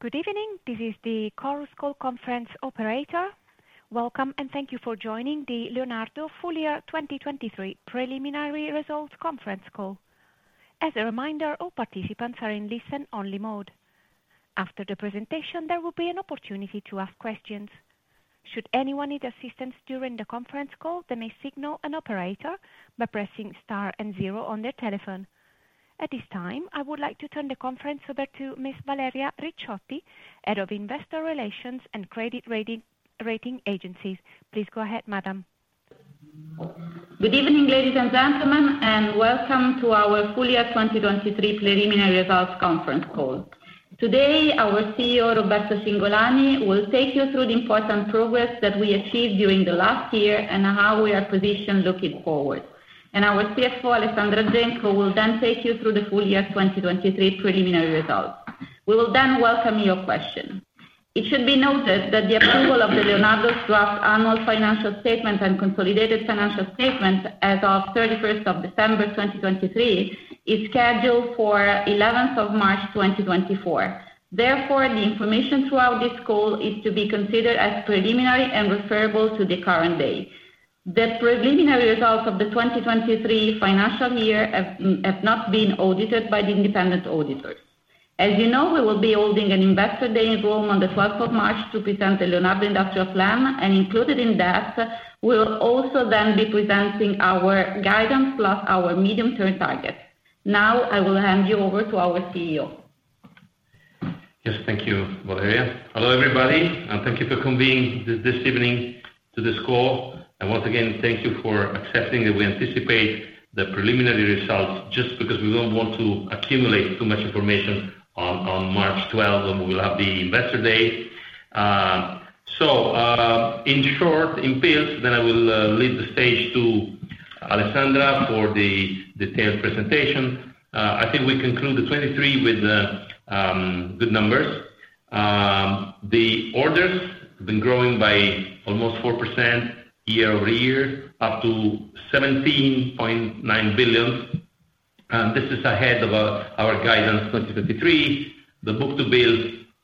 Good evening. This is the Chorus Call operator. Welcome, and thank you for joining the Leonardo FY 2023 preliminary results conference call. As a reminder, all participants are in listen-only mode. After the presentation, there will be an opportunity to ask questions. Should anyone need assistance during the conference call, they may signal an operator by pressing star and zero on their telephone. At this time, I would like to turn the conference over to Miss Valeria Ricciotti, Head of Investor Relations and Credit Rating Agencies. Please go ahead, madam. Good evening, ladies and gentlemen, and welcome to our FY 2023 preliminary results conference call. Today, our CEO, Roberto Cingolani, will take you through the important progress that we achieved during the last year and how we are positioned looking forward. Our CFO, Alessandra Genco, will then take you through the FY 2023 preliminary results. We will then welcome your question. It should be noted that the approval of Leonardo's draft annual financial statement and consolidated financial statement as of 31st of December 2023 is scheduled for 11th of March 2024. Therefore, the information throughout this call is to be considered as preliminary and referable to the current day. The preliminary results of the 2023 financial year have not been audited by the independent auditors. As you know, we will be holding an investor day in Rome on the 12th of March to present the Leonardo Industrial Plan, and included in that, we will also then be presenting our guidance plus our medium-term targets. Now, I will hand you over to our Chief Executive Officer. Yes. Thank you, Valeria. Hello, everybody, and thank you for convening this evening to this call. Once again, thank you for accepting that we anticipate the preliminary results just because we don't want to accumulate too much information on March 12th when we will have the investor day. In short, in pills, then I will lead the stage to Alessandra for the detailed presentation. I think we conclude the 2023 with good numbers. The orders have been growing by almost 4% year-over-year, up to 17.9 billion. This is ahead of our guidance 2023. The book-to-bill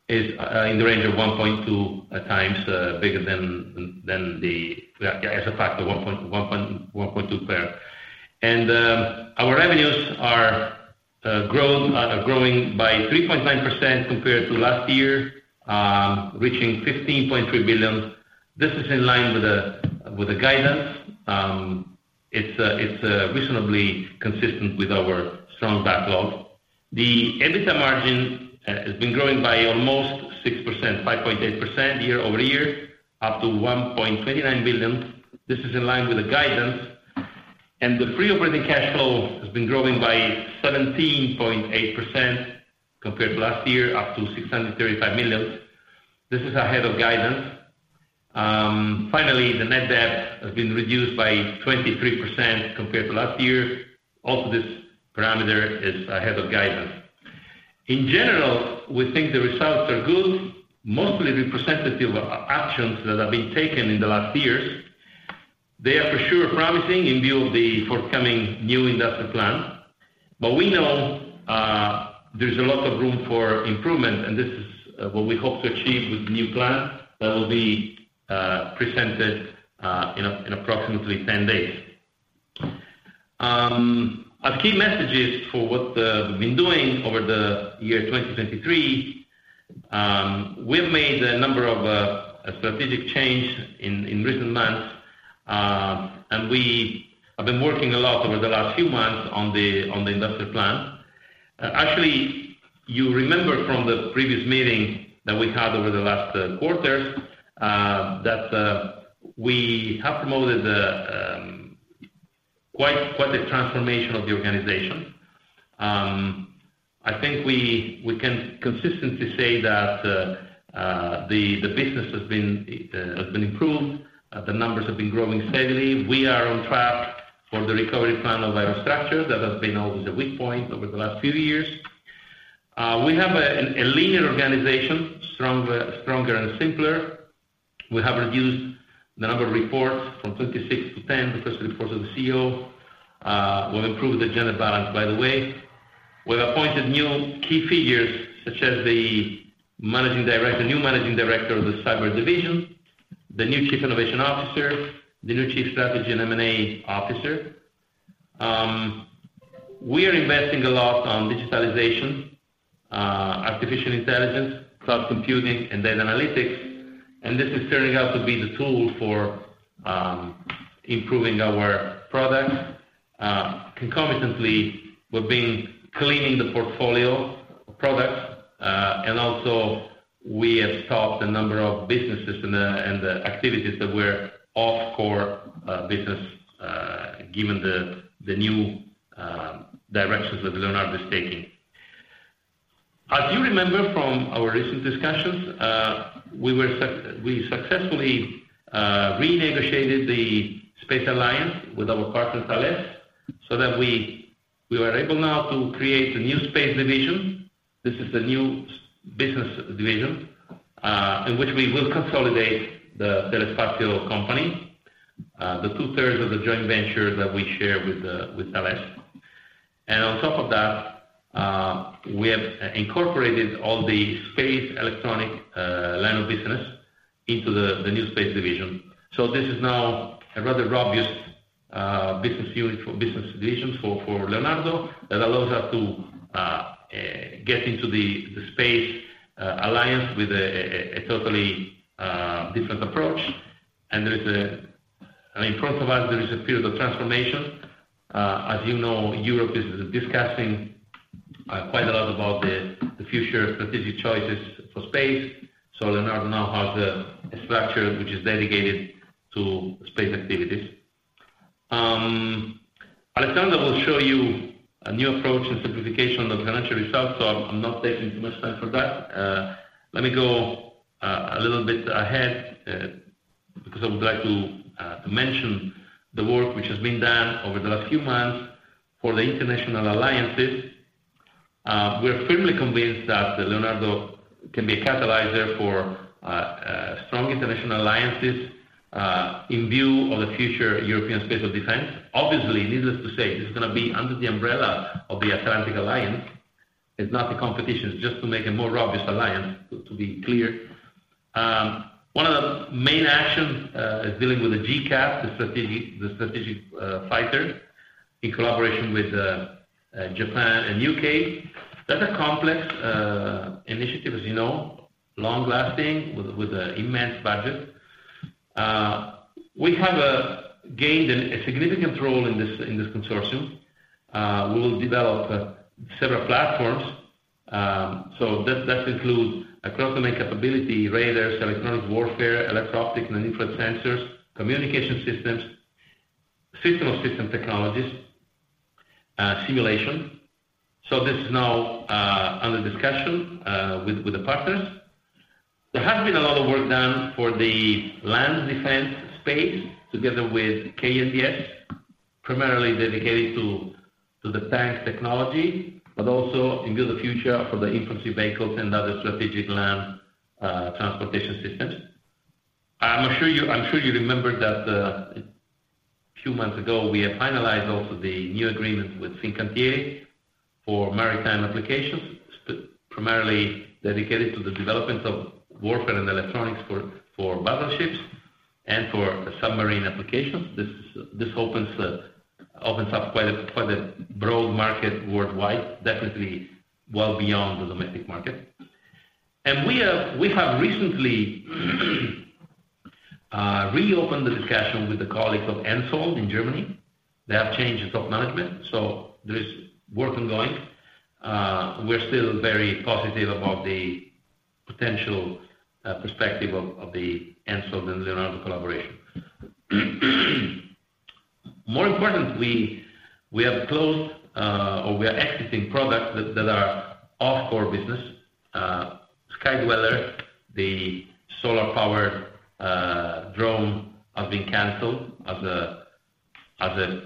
is in the range of 1.2x bigger than the as a factor, 1.2 per. Our revenues are growing by 3.9% compared to last year, reaching 15.3 billion. This is in line with the guidance. It's reasonably consistent with our strong backlog. The EBITDA margin has been growing by almost 6%, 5.8% year-over-year, up to 1.29 billion. This is in line with the guidance. The pre-operating cash flow has been growing by 17.8% compared to last year, up to 635 million. This is ahead of guidance. Finally, the net debt has been reduced by 23% compared to last year. Also, this parameter is ahead of guidance. In general, we think the results are good, mostly representative of actions that have been taken in the last years. They are for sure promising in view of the forthcoming new industrial plan. But we know there's a lot of room for improvement, and this is what we hope to achieve with the new plan that will be presented in approximately 10 days. Our key messages for what we've been doing over the year 2023, we have made a number of strategic changes in recent months, and we have been working a lot over the last few months on the industrial plan. Actually, you remember from the previous meeting that we had over the last quarters that we have promoted quite a transformation of the organization. I think we can consistently say that the business has been improved. The numbers have been growing steadily. We are on track for the recovery plan of infrastructure that has been always a weak point over the last few years. We have a linear organization, stronger and simpler. We have reduced the number of reports from 26 to 10, the first report of the CEO. We've improved the general balance, by the way. We have appointed new key figures such as the new Managing Director of the cyber division, the new Chief Innovation Officer, the new Chief Strategy and M&A Officer. We are investing a lot on digitalization, artificial intelligence, cloud computing, and data analytics. This is turning out to be the tool for improving our products. Concomitantly, we've been cleaning the portfolio of products, and also we have stopped a number of businesses and activities that were off-core business given the new directions that Leonardo is taking. As you remember from our recent discussions, we successfully renegotiated the Space Alliance with our partner, Thales, so that we are able now to create a new space division. This is the new business division in which we will consolidate the Telespazio company, the 2/3 of the joint venture that we share with Thales. And on top of that, we have incorporated all the space electronics line of business into the new space division. So this is now a rather obvious business division for Leonardo that allows us to get into the Space Alliance with a totally different approach. And in front of us, there is a period of transformation. As you know, Europe is discussing quite a lot about the future strategic choices for space. So Leonardo now has a structure which is dedicated to space activities. Alessandra will show you a new approach and simplification of the financial results, so I'm not taking too much time for that. Let me go a little bit ahead because I would like to mention the work which has been done over the last few months for the international alliances. We are firmly convinced that Leonardo can be a catalyst for strong international alliances in view of the future European space of defense. Obviously, needless to say, this is going to be under the umbrella of the Atlantic Alliance. It's not a competition. It's just to make a more obvious alliance, to be clear. One of the main actions is dealing with the GCAP, the strategic fighter, in collaboration with Japan and U.K. That's a complex initiative, as you know, long-lasting with an immense budget. We have gained a significant role in this consortium. We will develop several platforms. So that includes across-domain capability, radars, electronic warfare, electro-optics and infrared sensors, communication systems, system-of-systems technologies, simulation. So this is now under discussion with the partners. There has been a lot of work done for the land defense space together with KNDS, primarily dedicated to the tank technology, but also in view of the future for the infantry vehicles and other strategic land transportation systems. I'm sure you remember that a few months ago, we have finalized also the new agreement with Fincantieri for maritime applications, primarily dedicated to the development of warfare and electronics for battleships and for submarine applications. This opens up quite a broad market worldwide, definitely well beyond the domestic market. We have recently reopened the discussion with the colleagues of HENSOLDT in Germany. They have changed the top management, so there is work ongoing. We're still very positive about the potential perspective of the HENSOLDT and Leonardo collaboration. More important, we have closed or we are exiting products that are non-core business. SkyDweller, the solar-powered drone, has been canceled as a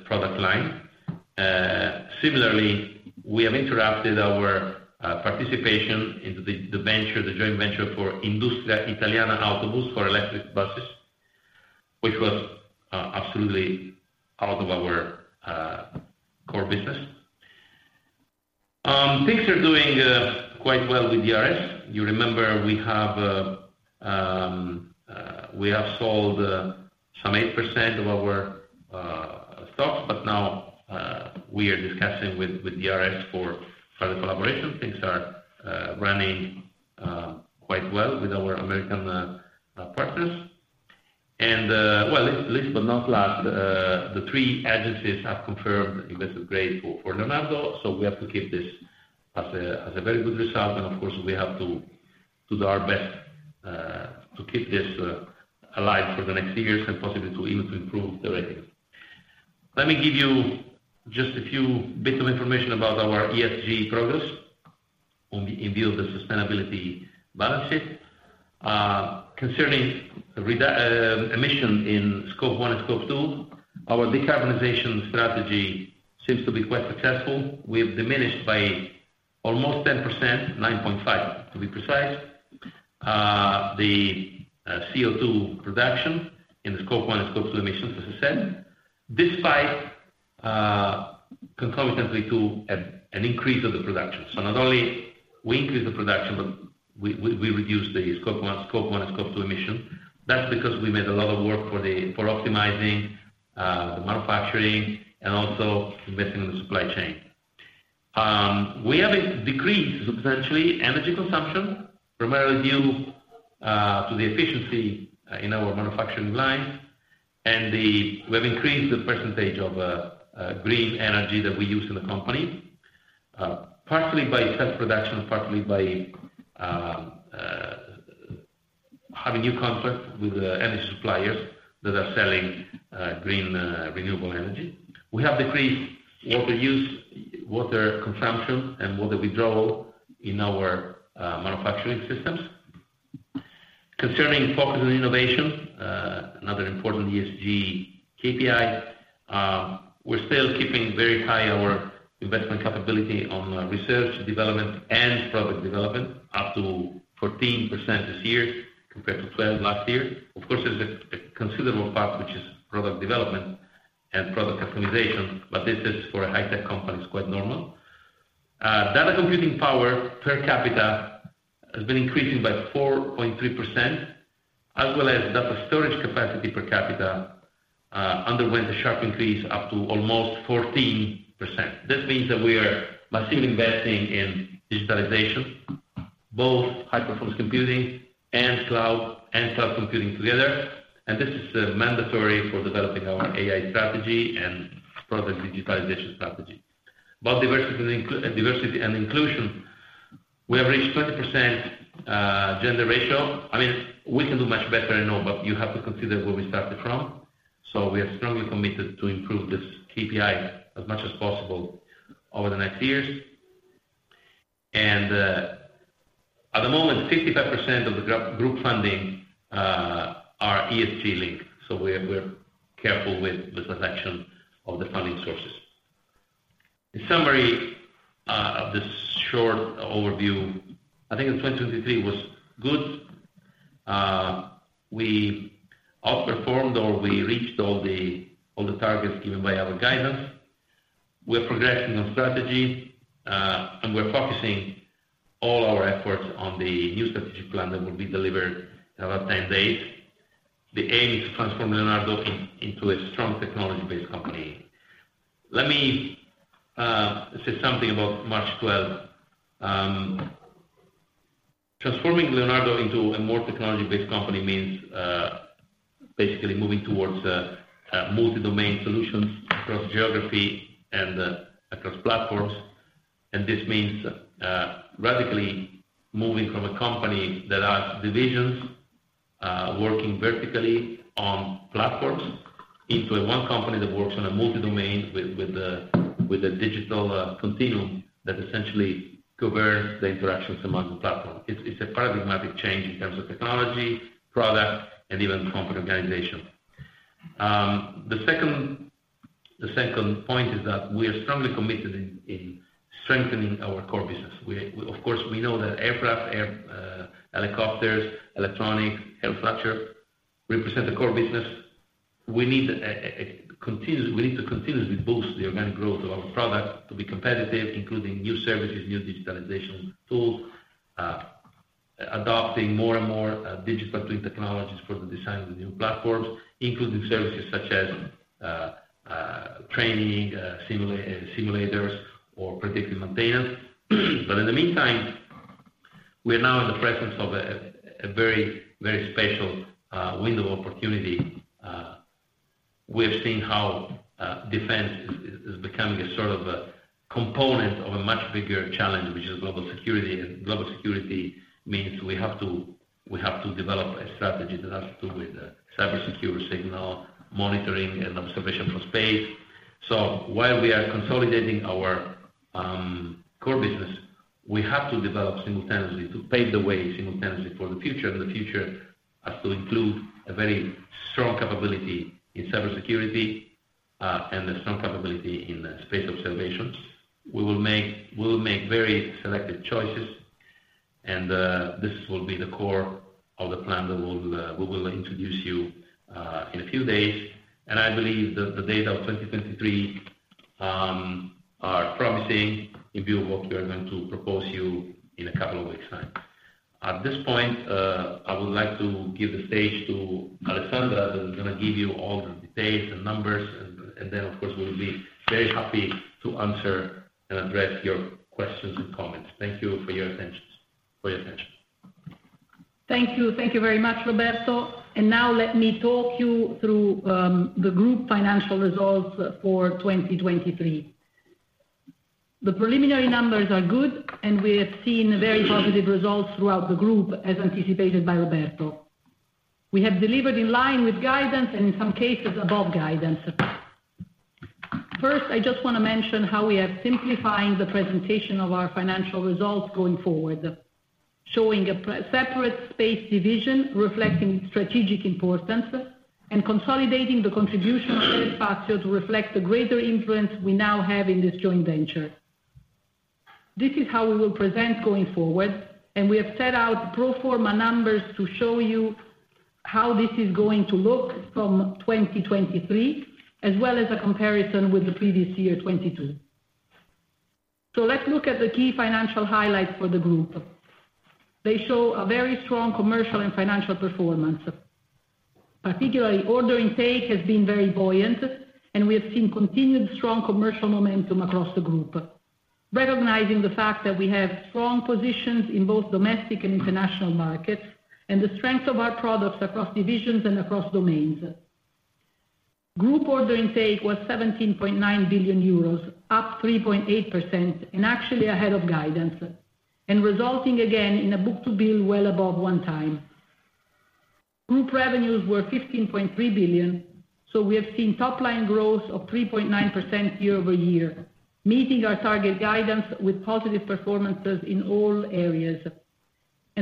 product line. Similarly, we have interrupted our participation into the joint venture for Industria Italiana Autobus, for electric buses, which was absolutely out of our core business. Things are doing quite well with DRS. You remember, we have sold some 8% of our stocks, but now we are discussing with DRS for the collaboration. Things are running quite well with our American partners. Well, least but not last, the three agencies have confirmed investor grade for Leonardo, so we have to keep this as a very good result. Of course, we have to do our best to keep this alive for the next years and possibly even to improve the ratings. Let me give you just a few bits of information about our ESG progress in view of the sustainability balance sheet. Concerning emissions in Scope 1 and Scope 2, our decarbonization strategy seems to be quite successful. We have diminished by almost 10%, 9.5%, to be precise, the CO2 production in the Scope 1 and Scope 2 emissions, as I said, despite concomitantly to an increase of the production. Not only we increased the production, but we reduced the Scope 1 and Scope 2 emission. That's because we made a lot of work for optimizing the manufacturing and also investing in the supply chain. We have decreased substantially energy consumption, primarily due to the efficiency in our manufacturing lines. We have increased the percentage of green energy that we use in the company, partially by self-production, partially by having new contracts with energy suppliers that are selling green renewable energy. We have decreased water consumption and water withdrawal in our manufacturing systems. Concerning focus on innovation, another important ESG KPI, we're still keeping very high our investment capability on research, development, and product development, up to 14% this year compared to 12% last year. Of course, there's a considerable part which is product development and product optimization, but this is for a high-tech company. It's quite normal. Data computing power per capita has been increasing by 4.3%, as well as data storage capacity per capita underwent a sharp increase up to almost 14%. This means that we are massively investing in digitalization, both high-performance computing and cloud and cloud computing together. This is mandatory for developing our AI strategy and product digitalization strategy. About diversity and inclusion, we have reached 20% gender ratio. I mean, we can do much better, I know, but you have to consider where we started from. We are strongly committed to improve this KPI as much as possible over the next years. At the moment, 55% of the group funding are ESG-linked, so we're careful with the selection of the funding sources. In summary of this short overview, I think the 2023 was good. We outperformed or we reached all the targets given by our guidance. We are progressing on strategy, and we're focusing all our efforts on the new strategic plan that will be delivered in about 10 days. The aim is to transform Leonardo into a strong technology-based company. Let me say something about March 12th. Transforming Leonardo into a more technology-based company means basically moving towards multi-domain solutions across geography and across platforms. This means radically moving from a company that has divisions working vertically on platforms into a one company that works on a multi-domain with a digital continuum that essentially governs the interactions among the platforms. It's a paradigmatic change in terms of technology, product, and even company organization. The second point is that we are strongly committed in strengthening our core business. Of course, we know that aircraft, helicopters, electronics, infrastructure represent the core business. We need to continuously boost the organic growth of our product to be competitive, including new services, new digitalization tools, adopting more and more digital twin technologies for the design of new platforms, including services such as training, simulators, or predictive maintenance. But in the meantime, we are now in the presence of a very, very special window of opportunity. We have seen how defense is becoming a sort of component of a much bigger challenge, which is global security. Global security means we have to develop a strategy that has to do with cybersecure signal monitoring and observation from space. While we are consolidating our core business, we have to develop simultaneously to pave the way simultaneously for the future. The future has to include a very strong capability in cybersecurity and a strong capability in space observations. We will make very selective choices, and this will be the core of the plan that we will introduce you in a few days. I believe the data of 2023 are promising in view of what we are going to propose you in a couple of weeks' time. At this point, I would like to give the stage to Alessandra that is going to give you all the details and numbers. And then, of course, we will be very happy to answer and address your questions and comments. Thank you for your attention. Thank you. Thank you very much, Roberto. And now let me talk you through the group financial results for 2023. The preliminary numbers are good, and we have seen very positive results throughout the group as anticipated by Roberto. We have delivered in line with guidance and in some cases above guidance. First, I just want to mention how we are simplifying the presentation of our financial results going forward, showing a separate space division reflecting its strategic importance and consolidating the contribution of Telespazio to reflect the greater influence we now have in this joint venture. This is how we will present going forward, and we have set out pro forma numbers to show you how this is going to look from 2023, as well as a comparison with the previous year, 2022. So let's look at the key financial highlights for the group. They show a very strong commercial and financial performance. Particularly, order intake has been very buoyant, and we have seen continued strong commercial momentum across the group, recognizing the fact that we have strong positions in both domestic and international markets and the strength of our products across divisions and across domains. Group order intake was 17.9 billion euros, up 3.8% and actually ahead of guidance, and resulting again in a book-to-bill well above one time. Group revenues were 15.3 billion, so we have seen top-line growth of 3.9% year-over-year, meeting our target guidance with positive performances in all areas.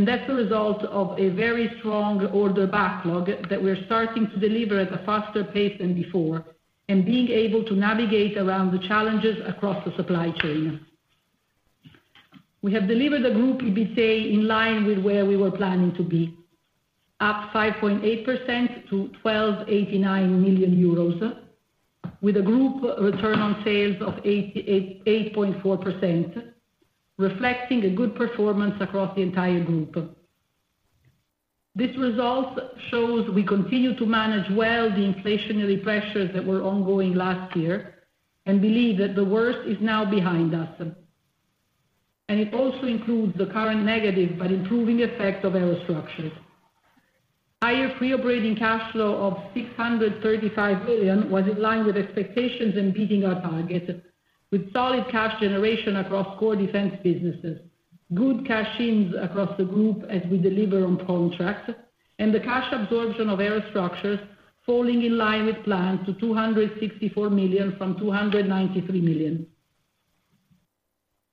That's the result of a very strong order backlog that we're starting to deliver at a faster pace than before and being able to navigate around the challenges across the supply chain. We have delivered a group, you could say, in line with where we were planning to be, up 5.8% to 1,289 million euros, with a group return on sales of 8.4%, reflecting a good performance across the entire group. This result shows we continue to manage well the inflationary pressures that were ongoing last year and believe that the worst is now behind us. It also includes the current negative but improving effect of Aerostructures. Higher pre-operating cash flow of 635 million was in line with expectations and beating our target, with solid cash generation across core defense businesses, good cash-ins across the group as we deliver on contracts, and the cash absorption of Aerostructures falling in line with plan to 264 million from 293 million.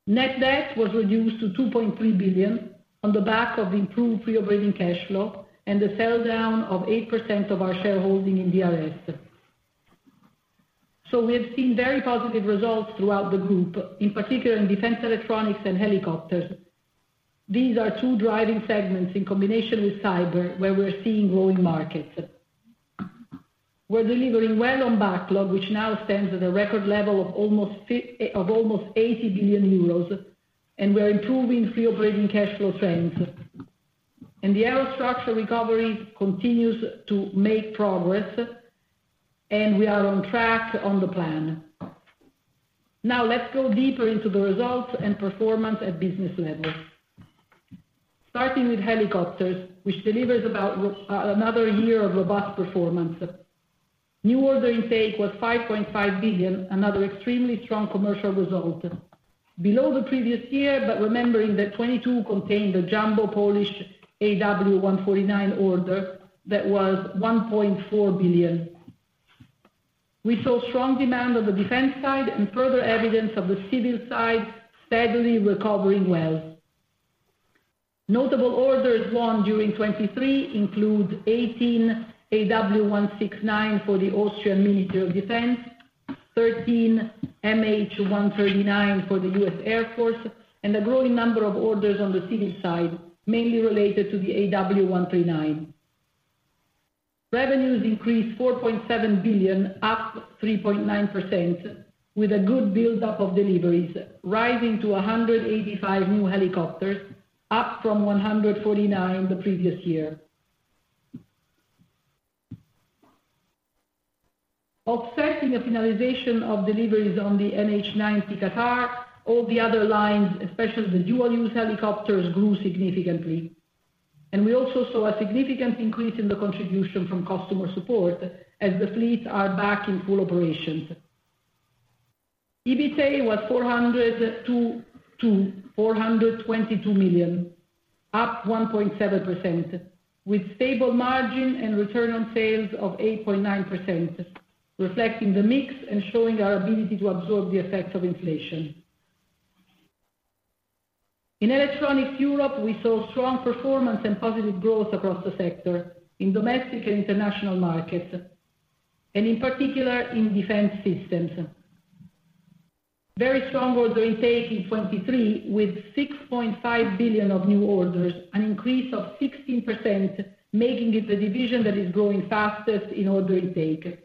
Net debt was reduced to 2.3 billion on the back of improved pre-operating cash flow and the sell-down of 8% of our shareholding in DRS. So we have seen very positive results throughout the group, in particular in defense electronics and helicopters. These are two driving segments in combination with cyber, where we're seeing growing markets. We're delivering well on backlog, which now stands at a record level of almost 80 billion euros, and we're improving pre-operating cash flow trends. The Aerostructures recovery continues to make progress, and we are on track on the plan. Now, let's go deeper into the results and performance at business level, starting with helicopters, which delivers about another year of robust performance. New order intake was 5.5 billion, another extremely strong commercial result, below the previous year, but remembering that 2022 contained the jumbo Polish AW149 order that was 1.4 billion. We saw strong demand on the defense side and further evidence of the civil side steadily recovering well. Notable orders won during 2023 include 18 AW169 for the Austrian Ministry of Defense, 13 MH139 for the U.S. Air Force, and a growing number of orders on the civil side, mainly related to the AW139. Revenues increased 4.7 billion, up 3.9%, with a good buildup of deliveries, rising to 185 new helicopters, up from 149 the previous year. Offsetting the finalization of deliveries on the NH90 Qatar, all the other lines, especially the dual-use helicopters, grew significantly. And we also saw a significant increase in the contribution from customer support as the fleets are back in full operations. EBITDA was 422 million, up 1.7%, with stable margin and return on sales of 8.9%, reflecting the mix and showing our ability to absorb the effects of inflation. In Electronics Europe, we saw strong performance and positive growth across the sector in domestic and international markets, and in particular in defense systems. Very strong order intake in 2023 with 6.5 billion of new orders, an increase of 16%, making it the division that is growing fastest in order intake.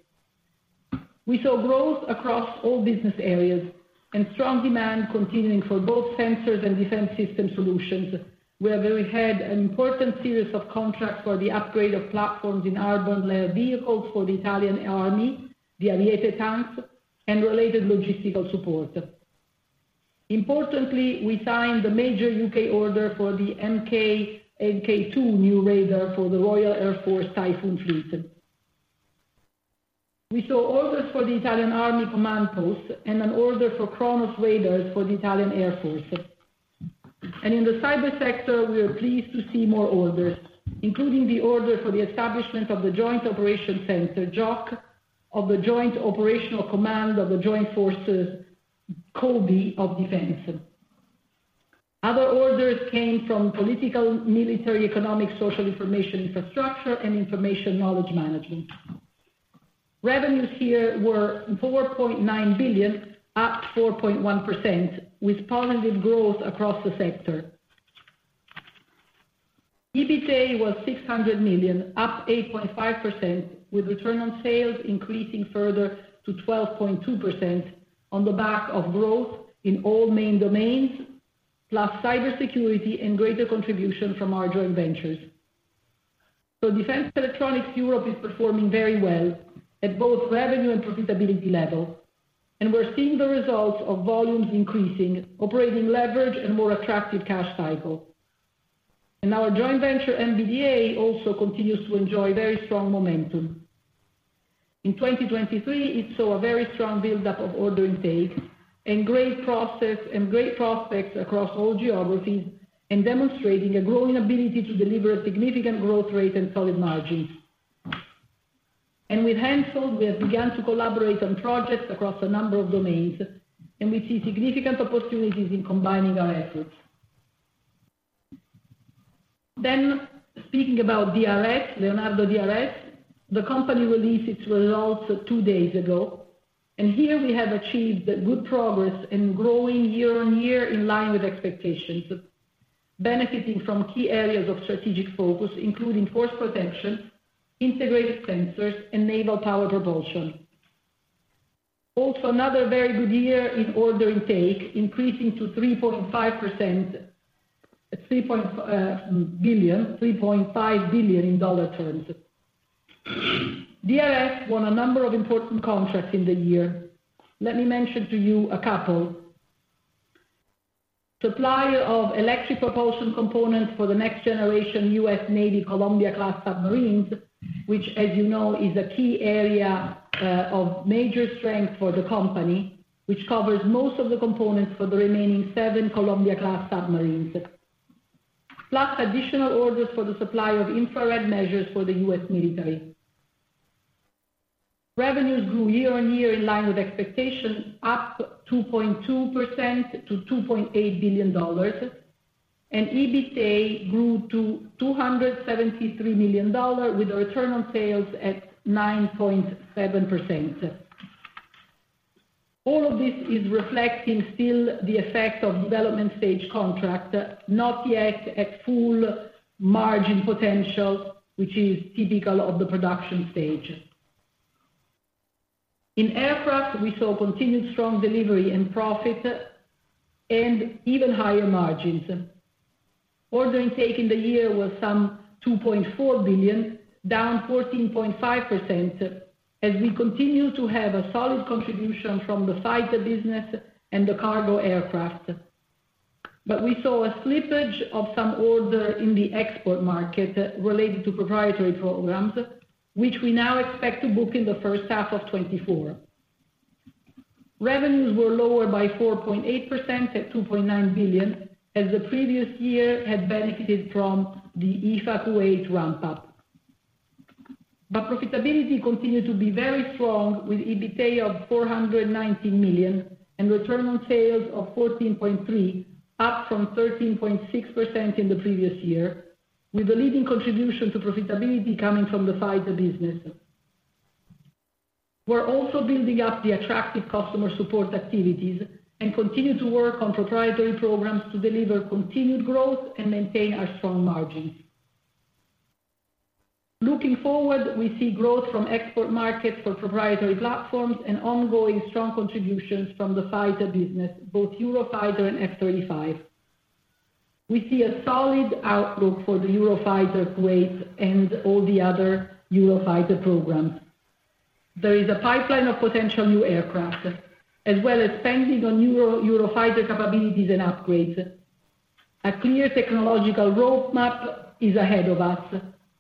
We saw growth across all business areas and strong demand continuing for both sensors and defense system solutions. We have ahead an important series of contracts for the upgrade of platforms in armoured vehicles for the Italian Army, the Ariete tanks, and related logistical support. Importantly, we signed the major U.K. order for the Mk2 new radar for the Royal Air Force Typhoon Fleet. We saw orders for the Italian Army command post and an order for Kronos radars for the Italian Air Force. In the cybersector, we are pleased to see more orders, including the order for the establishment of the Joint Operations Center JOC of the Joint Operational Command of the Joint Forces COVI of defense. Other orders came from political, military, economic, social information infrastructure, and information knowledge management. Revenues here were 4.9 billion, up 4.1%, with positive growth across the sector. EBITDA was 600 million, up 8.5%, with return on sales increasing further to 12.2% on the back of growth in all main domains, plus cybersecurity and greater contribution from our joint ventures. Defense Electronics Europe is performing very well at both revenue and profitability level, and we're seeing the results of volumes increasing, operating leverage, and more attractive cash cycle. Our joint venture MBDA also continues to enjoy very strong momentum. In 2023, it saw a very strong buildup of order intake and great prospects across all geographies and demonstrating a growing ability to deliver a significant growth rate and solid margins. With HENSOLDT, we have begun to collaborate on projects across a number of domains, and we see significant opportunities in combining our efforts. Speaking about DRS, Leonardo DRS, the company released its results two days ago. Here, we have achieved good progress and growing year on year in line with expectations, benefiting from key areas of strategic focus, including force protection, integrated sensors, and naval power propulsion. Another very good year in order intake, increasing to $3.5 billion in dollar terms. DRS won a number of important contracts in the year. Let me mention to you a couple. Supplier of electric propulsion components for the next-generation U.S. Navy Columbia-class submarines, which, as you know, is a key area of major strength for the company, which covers most of the components for the remaining seven Columbia-class submarines, plus additional orders for the supply of infrared measures for the U.S. military. Revenues grew year-on-year in line with expectation, up 2.2% to $2.8 billion, and EBITDA grew to $273 million with a return on sales at 9.7%. All of this is reflecting still the effect of development-stage contract, not yet at full margin potential, which is typical of the production stage. In aircraft, we saw continued strong delivery and profit and even higher margins. Order intake in the year was some $2.4 billion, down 14.5%, as we continue to have a solid contribution from the fighter business and the cargo aircraft. But we saw a slippage of some order in the export market related to proprietary programs, which we now expect to book in the first half of 2024. Revenues were lower by 4.8% at 2.9 billion as the previous year had benefited from the EFA Kuwait ramp-up. But profitability continued to be very strong with EBITDA of 419 million and return on sales of 14.3%, up from 13.6% in the previous year, with the leading contribution to profitability coming from the fighter business. We're also building up the attractive customer support activities and continue to work on proprietary programs to deliver continued growth and maintain our strong margins. Looking forward, we see growth from export markets for proprietary platforms and ongoing strong contributions from the fighter business, both Eurofighter and F-35. We see a solid outlook for the Eurofighter Kuwait and all the other Eurofighter programs. There is a pipeline of potential new aircraft, as well as spending on Eurofighter capabilities and upgrades. A clear technological roadmap is ahead of us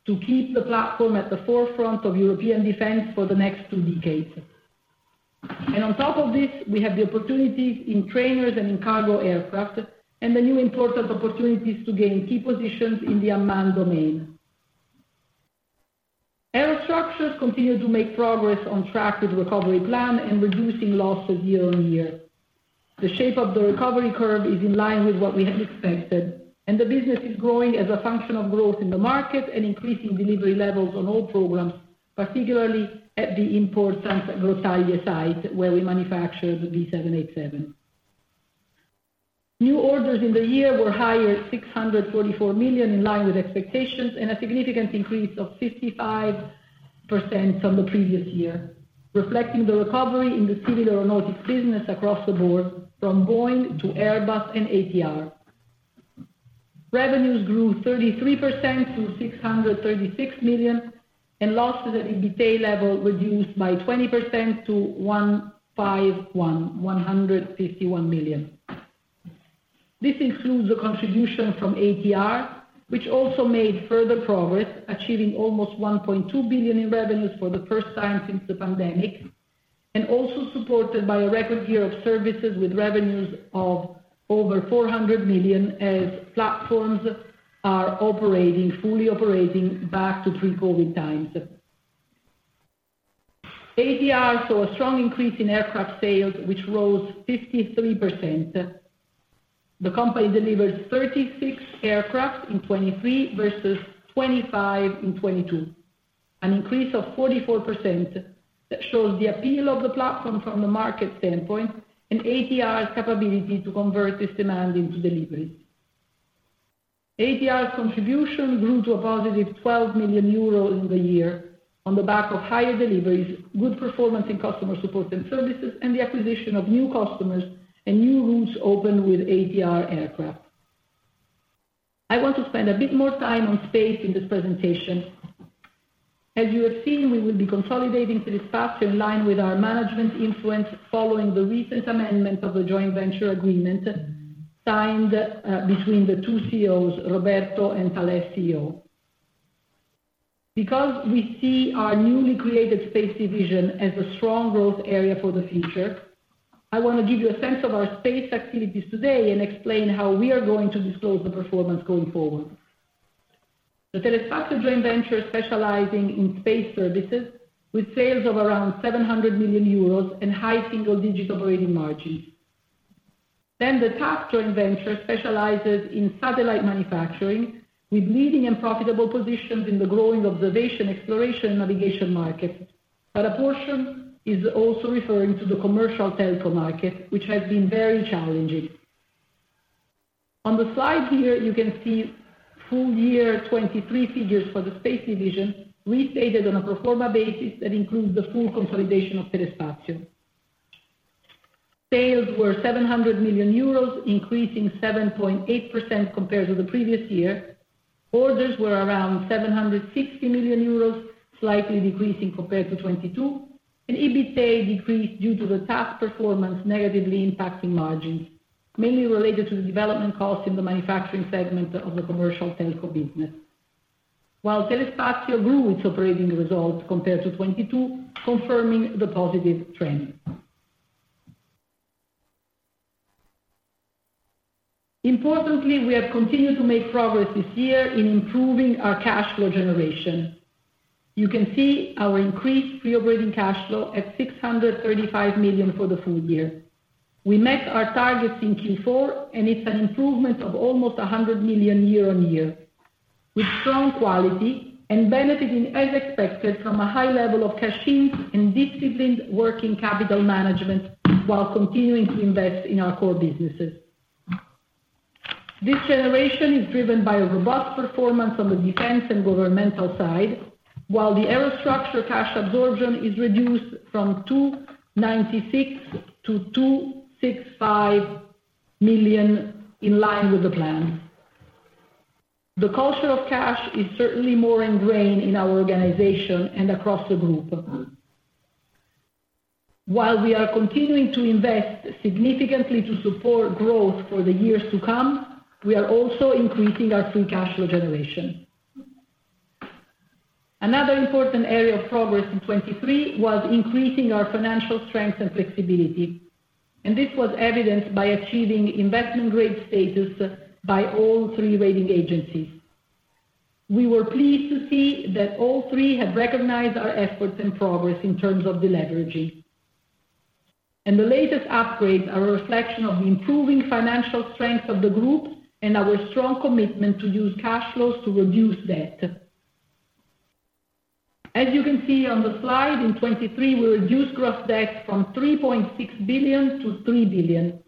to keep the platform at the forefront of European defense for the next two decades. On top of this, we have the opportunities in trainers and in cargo aircraft and the new important opportunities to gain key positions in the unmanned domain. Aerostructures continue to make progress on track with the recovery plan and reducing losses year on year. The shape of the recovery curve is in line with what we had expected, and the business is growing as a function of growth in the market and increasing delivery levels on all programs, particularly at the imports at Grottaglie site, where we manufacture the B787. New orders in the year were higher at 644 million in line with expectations and a significant increase of 55% from the previous year, reflecting the recovery in the civil aeronautics business across the board from Boeing to Airbus and ATR. Revenues grew 33% to 636 million and losses at EBITDA level reduced by 20% to 151 million. This includes a contribution from ATR, which also made further progress, achieving almost 1.2 billion in revenues for the first time since the pandemic and also supported by a record year of services with revenues of over 400 million as platforms are fully operating back to pre-COVID times. ATR saw a strong increase in aircraft sales, which rose 53%. The company delivered 36 aircraft in 2023 versus 25 in 2022, an increase of 44% that shows the appeal of the platform from the market standpoint and ATR's capability to convert this demand into deliveries. ATR's contribution grew to a positive 12 million euros in the year on the back of higher deliveries, good performance in customer support and services, and the acquisition of new customers and new routes opened with ATR aircraft. I want to spend a bit more time on space in this presentation. As you have seen, we will be consolidating Telespazio in line with our management influence following the recent amendment of the joint venture agreement signed between the two CEOs, Roberto and Thales CEO. Because we see our newly created space division as a strong growth area for the future, I want to give you a sense of our space activities today and explain how we are going to disclose the performance going forward. The Telespazio joint venture is specializing in space services with sales of around 700 million euros and high single-digit operating margins. Then the TAS joint venture specializes in satellite manufacturing with leading and profitable positions in the growing observation, exploration, and navigation markets, but a portion is also referring to the commercial telco market, which has been very challenging. On the slide here, you can see full year 2023 figures for the space division restated on a pro forma basis that includes the full consolidation of Telespazio. Sales were 700 million euros, increasing 7.8% compared to the previous year. Orders were around 760 million euros, slightly decreasing compared to 2022, and EBITDA decreased due to the TAS performance negatively impacting margins, mainly related to the development costs in the manufacturing segment of the commercial telco business. While Telespazio grew its operating results compared to 2022, confirming the positive trend. Importantly, we have continued to make progress this year in improving our cash flow generation. You can see our increased free operating cash flow at 635 million for the full year. We met our targets in Q4, and it's an improvement of almost 100 million year-on-year, with strong quality and benefiting as expected from a high level of cash-ins and disciplined working capital management while continuing to invest in our core businesses. This generation is driven by a robust performance on the defense and governmental side, while the Aerostructures cash absorption is reduced from 296 million to 265 million in line with the plan. The culture of cash is certainly more ingrained in our organization and across the group. While we are continuing to invest significantly to support growth for the years to come, we are also increasing our free cash flow generation. Another important area of progress in 2023 was increasing our financial strength and flexibility, and this was evident by achieving investment-grade status by all three rating agencies. We were pleased to see that all three had recognized our efforts and progress in terms of the leveraging. The latest upgrades are a reflection of the improving financial strength of the group and our strong commitment to use cash flows to reduce debt. As you can see on the slide, in 2023, we reduced gross debt from 3.6 billion to 3 billion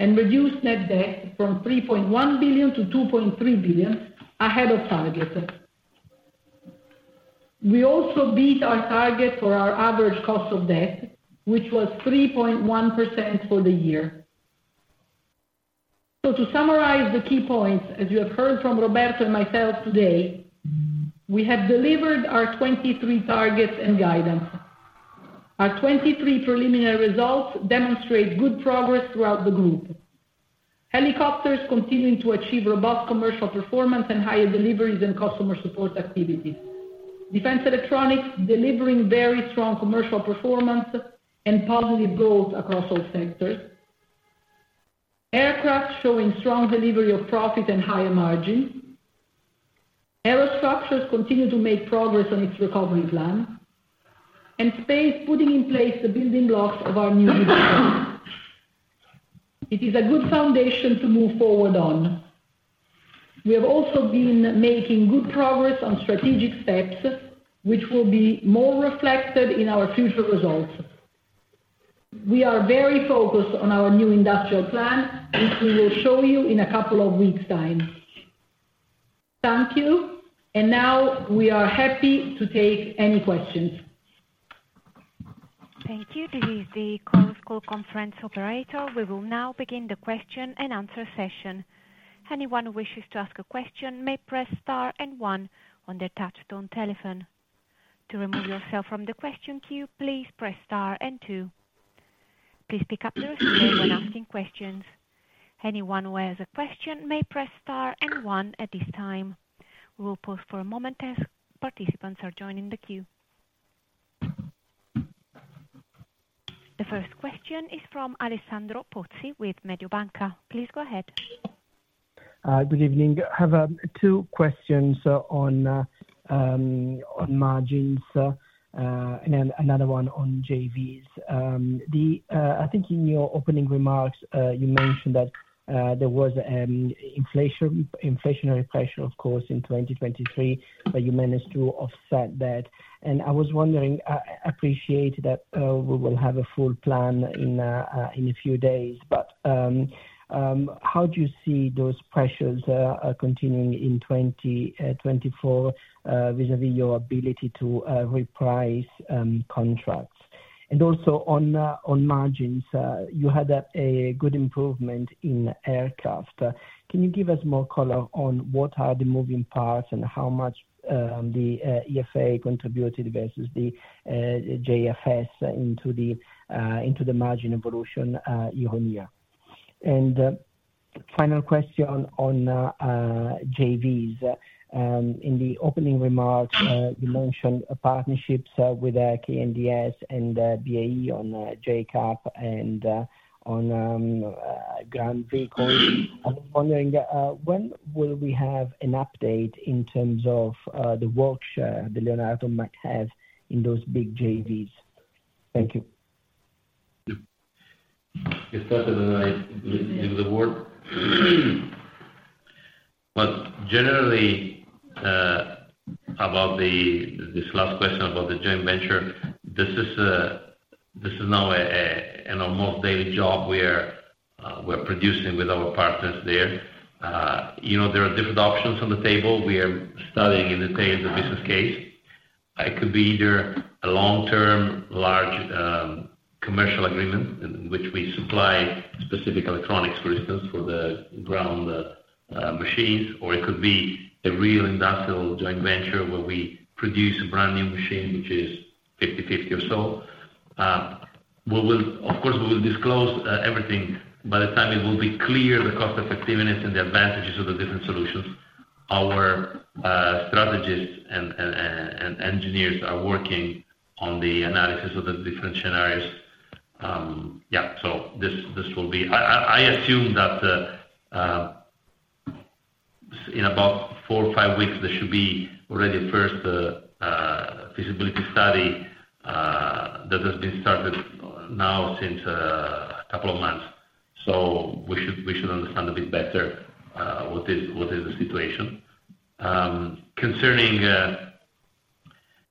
and reduced net debt from 3.1 billion to 2.3 billion ahead of target. We also beat our target for our average cost of debt, which was 3.1% for the year. So to summarize the key points, as you have heard from Roberto and myself today, we have delivered our 2023 targets and guidance. Our 2023 preliminary results demonstrate good progress throughout the group, helicopters continuing to achieve robust commercial performance and higher deliveries and customer support activities, defense electronics delivering very strong commercial performance and positive growth across all sectors, aircraft showing strong delivery of profit and higher margins, Aerostructures continue to make progress on its recovery plan, and space putting in place the building blocks of our new division. It is a good foundation to move forward on. We have also been making good progress on strategic steps, which will be more reflected in our future results. We are very focused on our new industrial plan, which we will show you in a couple of weeks' time. Thank you. Now we are happy to take any questions. Thank you. This is the conference call operator. We will now begin the question and answer session. Anyone who wishes to ask a question may press star and one on their touch-tone telephone. To remove yourself from the question queue, please press star and two. Please pick up the receiver when asking questions. Anyone who has a question may press star and one at this time. We will pause for a moment as participants are joining the queue. The first question is from Alessandro Pozzi with Mediobanca. Please go ahead. Good evening. I have two questions on margins and another one on JVs. I think in your opening remarks, you mentioned that there was inflationary pressure, of course, in 2023, but you managed to offset that. I was wondering, I appreciate that we will have a full plan in a few days, but how do you see those pressures continuing in 2024 vis-à-vis your ability to reprice contracts? Also on margins, you had a good improvement in aircraft. Can you give us more color on what are the moving parts and how much the EFA contributed versus the JSF into the margin evolution year on year? Final question on JVs. In the opening remarks, you mentioned partnerships with KNDS and BAE on GCAP and on ground vehicles. I was wondering, when will we have an update in terms of the work share that Leonardo might have in those big JVs? Thank you. You started and I give the word. But generally, about this last question about the joint venture, this is now an almost daily job we are producing with our partners there. There are different options on the table. We are studying in detail the business case. It could be either a long-term large commercial agreement in which we supply specific electronics, for instance, for the ground machines, or it could be a real industrial joint venture where we produce a brand new machine, which is 50/50 or so. Of course, we will disclose everything. By the time it will be clear, the cost-effectiveness and the advantages of the different solutions, our strategists and engineers are working on the analysis of the different scenarios. Yeah. So this will be, I assume, that in about four or five weeks, there should be already a first feasibility study that has been started now since a couple of months. So we should understand a bit better what is the situation. Concerning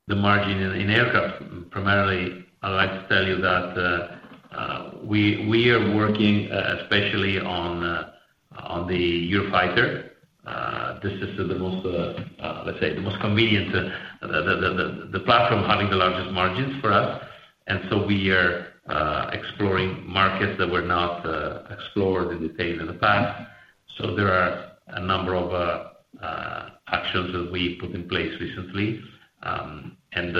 the margin in aircraft, primarily, I'd like to tell you that we are working especially on the Eurofighter. This is the most, let's say, the most convenient platform having the largest margins for us. And so we are exploring markets that were not explored in detail in the past. So there are a number of actions that we put in place recently. And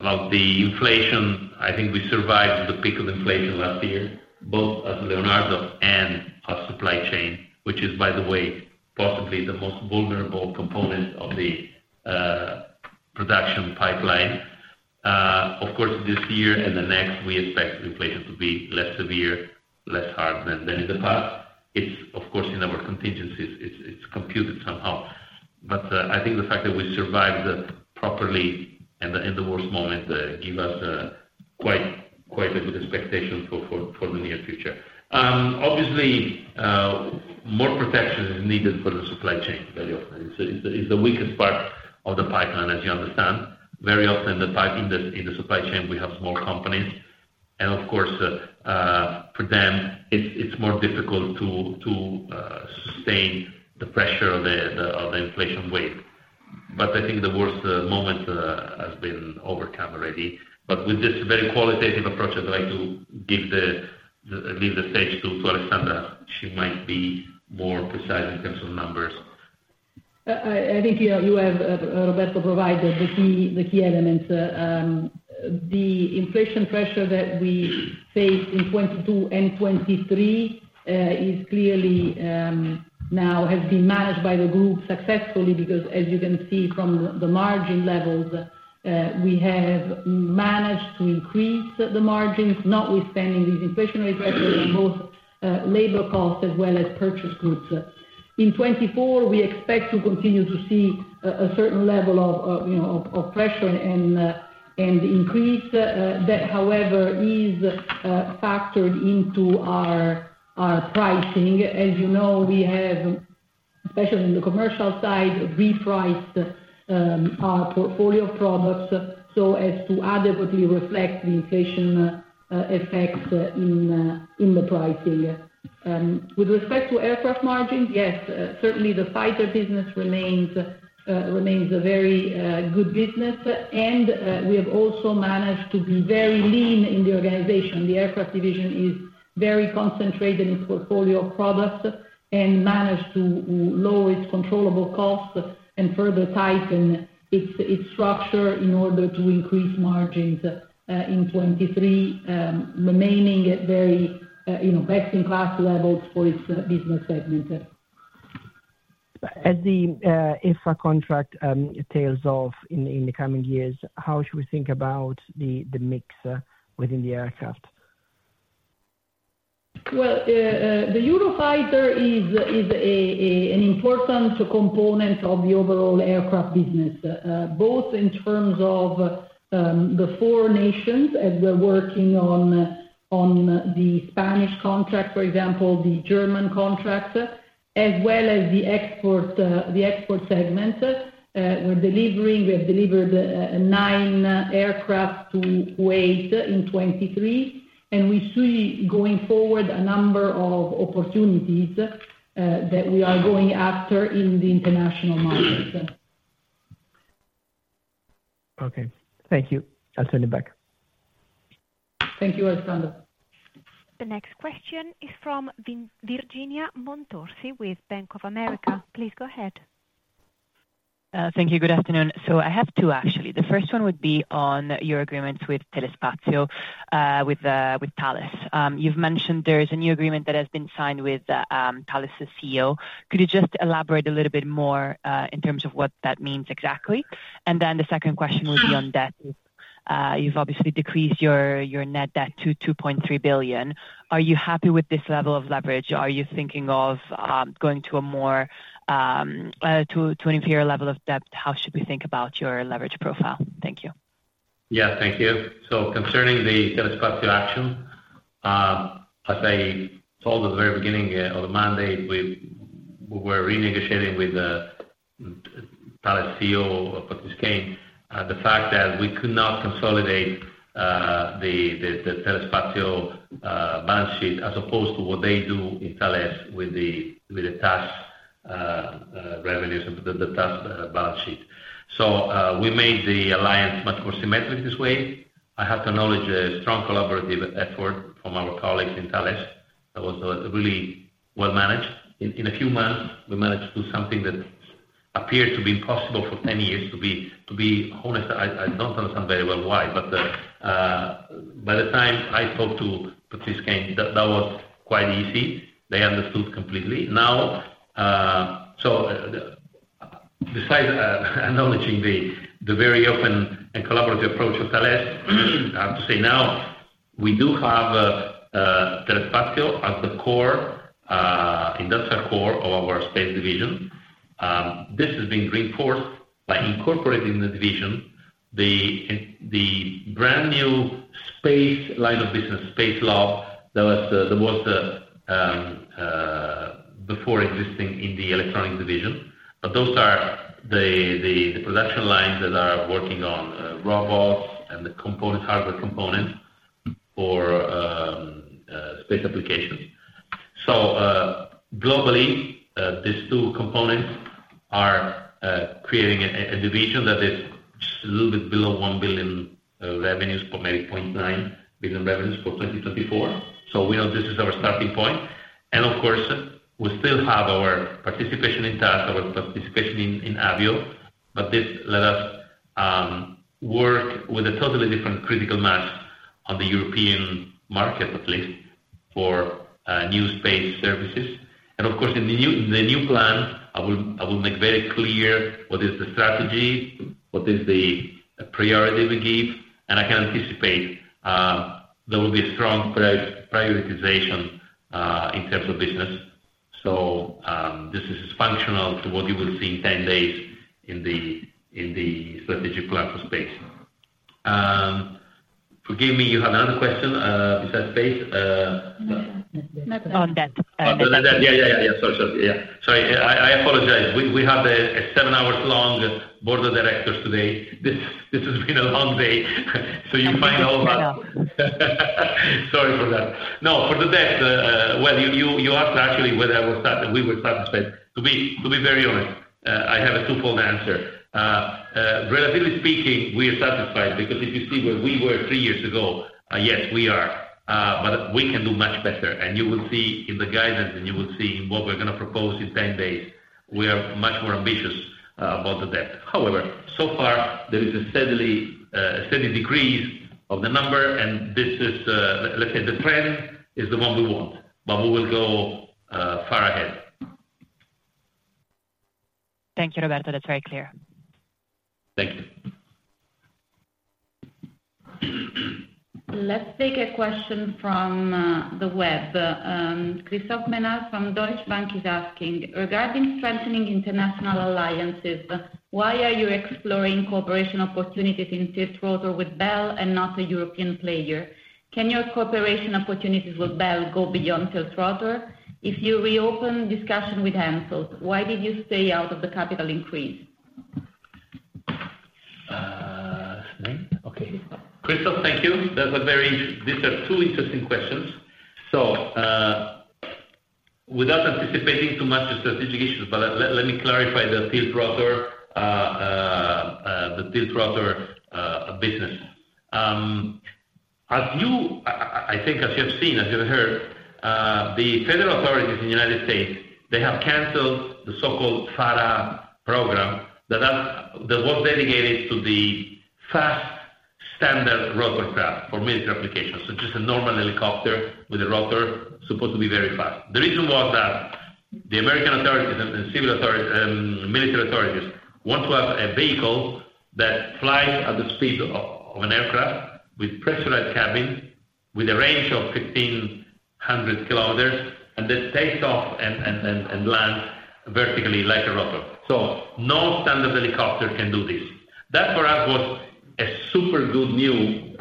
about the inflation, I think we survived the peak of inflation last year, both as Leonardo and our supply chain, which is, by the way, possibly the most vulnerable component of the production pipeline. Of course, this year and the next, we expect inflation to be less severe, less hard than in the past. It's, of course, in our contingencies. It's computed somehow. But I think the fact that we survived properly in the worst moment gives us quite a good expectation for the near future. Obviously, more protection is needed for the supply chain very often. It's the weakest part of the pipeline, as you understand. Very often, in the supply chain, we have small companies. And of course, for them, it's more difficult to sustain the pressure of the inflation weight. But I think the worst moment has been overcome already. But with this very qualitative approach, I'd like to leave the stage to Alessandra. She might be more precise in terms of numbers. I think you have, Roberto, provided the key elements. The inflation pressure that we faced in 2022 and 2023 is clearly now has been managed by the group successfully because, as you can see from the margin levels, we have managed to increase the margins, notwithstanding these inflationary pressures on both labor costs as well as purchase goods. In 2024, we expect to continue to see a certain level of pressure and increase. That, however, is factored into our pricing. As you know, we have, especially in the commercial side, repriced our portfolio of products so as to adequately reflect the inflation effects in the pricing. With respect to aircraft margins, yes, certainly, the fighter business remains a very good business. We have also managed to be very lean in the organization. The aircraft division is very concentrated in its portfolio of products and managed to lower its controllable costs and further tighten its structure in order to increase margins in 2023, remaining at very best-in-class levels for its business segment. As the IFA contract tails off in the coming years, how should we think about the mix within the aircraft? Well, the Eurofighter is an important component of the overall aircraft business, both in terms of the four nations as we're working on the Spanish contract, for example, the German contract, as well as the export segment. We have delivered nine aircraft to Kuwait in 2023. We see, going forward, a number of opportunities that we are going after in the international markets. Okay. Thank you. I'll turn it back. Thank you, Alessandra. The next question is from Virginia Montorsi with Bank of America. Please go ahead. Thank you. Good afternoon. So I have two, actually. The first one would be on your agreements with Telespazio, with Thales. You've mentioned there is a new agreement that has been signed with Thales's CEO. Could you just elaborate a little bit more in terms of what that means exactly? And then the second question would be on debt. You've obviously decreased your net debt to 2.3 billion. Are you happy with this level of leverage? Are you thinking of going to an inferior level of debt? How should we think about your leverage profile? Thank you. Yeah. Thank you. So concerning the Telespazio action, as I told at the very beginning of the mandate, we were renegotiating with Thales' CEO, Patrice Caine, the fact that we could not consolidate the Telespazio balance sheet as opposed to what they do in Thales with the TAS revenues and the TAS balance sheet. So we made the alliance much more symmetric this way. I have to acknowledge a strong collaborative effort from our colleagues in Thales that was really well managed. In a few months, we managed to do something that appeared to be impossible for 10 years to be honest. I don't understand very well why. But by the time I spoke to Patrice Caine, that was quite easy. They understood completely. So besides acknowledging the very open and collaborative approach of Thales, I have to say now we do have Telespazio as the industrial core of our space division. This has been reinforced by incorporating in the division the brand new space line of business, Space LoB, that was before existing in the electronics division. But those are the production lines that are working on robots and the hardware components for space applications. So globally, these two components are creating a division that is just a little bit below 1 billion revenues or maybe 0.9 billion revenues for 2024. So we know this is our starting point. And of course, we still have our participation in TAS, our participation in Avio. But this let us work with a totally different critical mass on the European market, at least, for new space services. Of course, in the new plan, I will make very clear what is the strategy, what is the priority we give. I can anticipate there will be a strong prioritization in terms of business. This is functional to what you will see in 10 days in the strategic plan for space. Forgive me. You have another question besides space? On debt. On debt. Yeah, yeah, yeah, yeah. Sorry, sorry. Yeah. Sorry. I apologize. We have a seven-hour-long board of directors today. This has been a long day. So you find all of us. Sorry for that. No, for the debt, well, you asked actually whether we were satisfied. To be very honest, I have a twofold answer. Relatively speaking, we are satisfied because if you see where we were three years ago, yes, we are. But we can do much better. And you will see in the guidance and you will see in what we're going to propose in 10 days, we are much more ambitious about the debt. However, so far, there is a steady decrease of the number. And let's say the trend is the one we want. But we will go far ahead. Thank you, Roberto. That's very clear. Thank you. Let's take a question from the web. Christophe Menard from Deutsche Bank is asking, "Regarding strengthening international alliances, why are you exploring cooperation opportunities in tilt rotor with Bell and not a European player? Can your cooperation opportunities with Bell go beyond tilt rotor? If you reopen discussion with HENSOLDT, why did you stay out of the capital increase? Okay. Christophe, thank you. These are two interesting questions. So without anticipating too much strategic issues, but let me clarify the tilt-rotor business. I think as you have seen, as you have heard, the federal authorities in the United States, they have canceled the so-called FARA program that was dedicated to the fast standard rotorcraft for military applications. So just a normal helicopter with a rotor supposed to be very fast. The reason was that the American authorities and military authorities want to have a vehicle that flies at the speed of an aircraft with pressurized cabin, with a range of 1,500 km, and that takes off and lands vertically like a rotor. So no standard helicopter can do this. That, for us, was super good news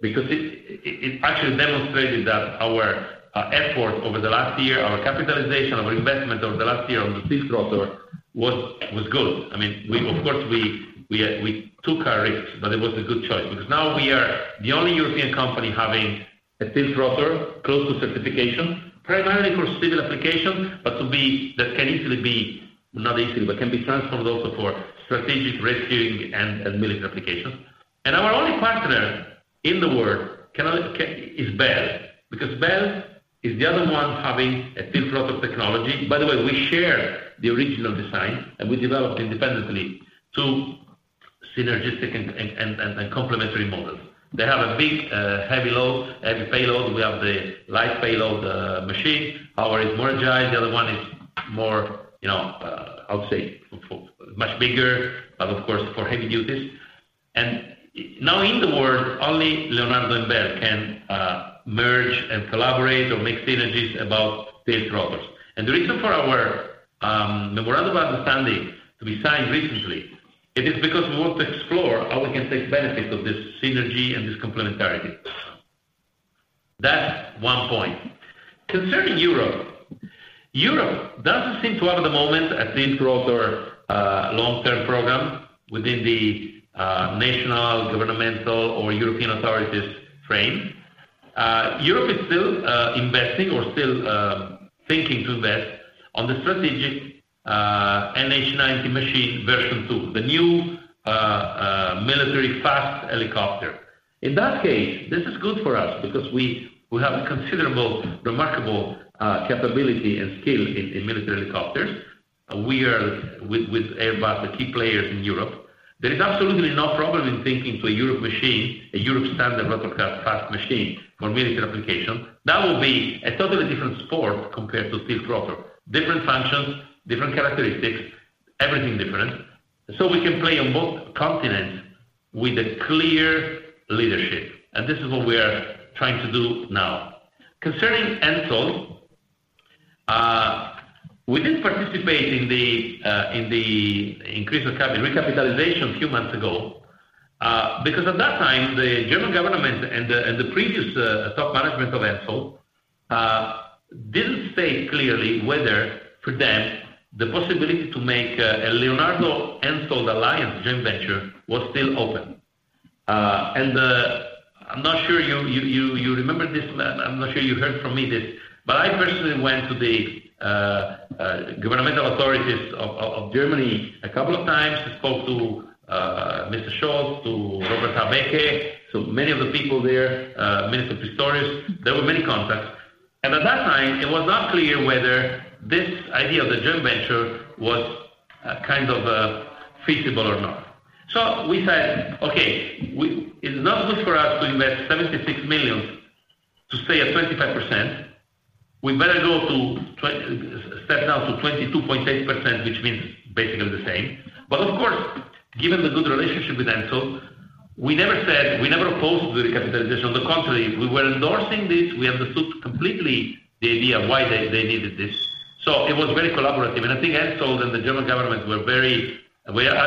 because it actually demonstrated that our effort over the last year, our capitalization, our investment over the last year on the tilt-rotor was good. I mean, of course, we took our risks, but it was a good choice because now we are the only European company having a tilt-rotor close to certification, primarily for civil applications, but that can easily be not easily, but can be transformed also for strategic rescuing and military applications. And our only partner in the world is Bell because Bell is the other one having a tilt-rotor technology. By the way, we share the original design, and we developed independently two synergistic and complementary models. They have a big heavy payload. We have the light payload machine. Ours is more agile. The other one is more, I would say, much bigger, but of course, for heavy duties. And now in the world, only Leonardo and Bell can merge and collaborate or make synergies about tilt-rotors. And the reason for our memorandum of understanding to be signed recently, it is because we want to explore how we can take benefit of this synergy and this complementarity. That's one point. Concerning Europe, Europe doesn't seem to have, at the moment, a tilt-rotor long-term program within the national, governmental, or European authorities frame. Europe is still investing or still thinking to invest on the strategic NH90 machine version two, the new military fast helicopter. In that case, this is good for us because we have considerable, remarkable capability and skill in military helicopters. We are with Airbus the key players in Europe. There is absolutely no problem in thinking to a Europe machine, a Europe standard rotorcraft fast machine for military application. That will be a totally different sport compared to tilt-rotor. Different functions, different characteristics, everything different. So we can play on both continents with a clear leadership. And this is what we are trying to do now. Concerning HENSOLDT, we didn't participate in the increase of recapitalization a few months ago because at that time, the German government and the previous top management of HENSOLDT didn't state clearly whether, for them, the possibility to make a Leonardo-HENSOLDT alliance joint venture was still open. And I'm not sure you remember this. I'm not sure you heard from me this. But I personally went to the governmental authorities of Germany a couple of times, spoke to Mr. Scholz, to Robert Habeck, to many of the people there, Minister Pistorius. There were many contacts. At that time, it was not clear whether this idea of the joint venture was kind of feasible or not. We said, "Okay. It's not good for us to invest 76 million to stay at 25%. We better step down to 22.8%," which means basically the same. But of course, given the good relationship with HENSOLDT, we never opposed the recapitalization. On the contrary, we were endorsing this. We understood completely the idea why they needed this. So it was very collaborative. And I think HENSOLDT and the German government were very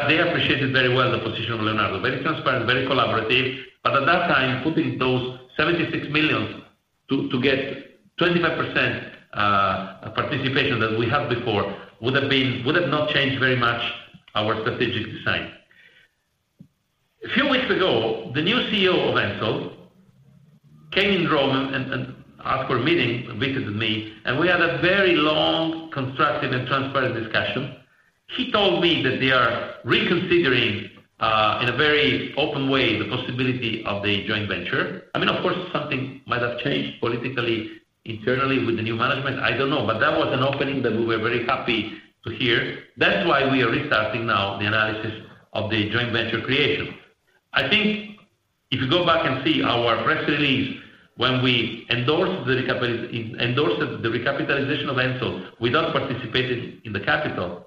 they appreciated very well the position of Leonardo, very transparent, very collaborative. But at that time, putting those 76 million to get 25% participation that we had before would have not changed very much our strategic design. A few weeks ago, the new CEO of HENSOLDT came in Rome and, after a meeting, visited me. We had a very long, constructive, and transparent discussion. He told me that they are reconsidering, in a very open way, the possibility of the joint venture. I mean, of course, something might have changed politically, internally, with the new management. I don't know. But that was an opening that we were very happy to hear. That's why we are restarting now the analysis of the joint venture creation. I think if you go back and see our press release when we endorsed the recapitalization of HENSOLDT without participating in the capital,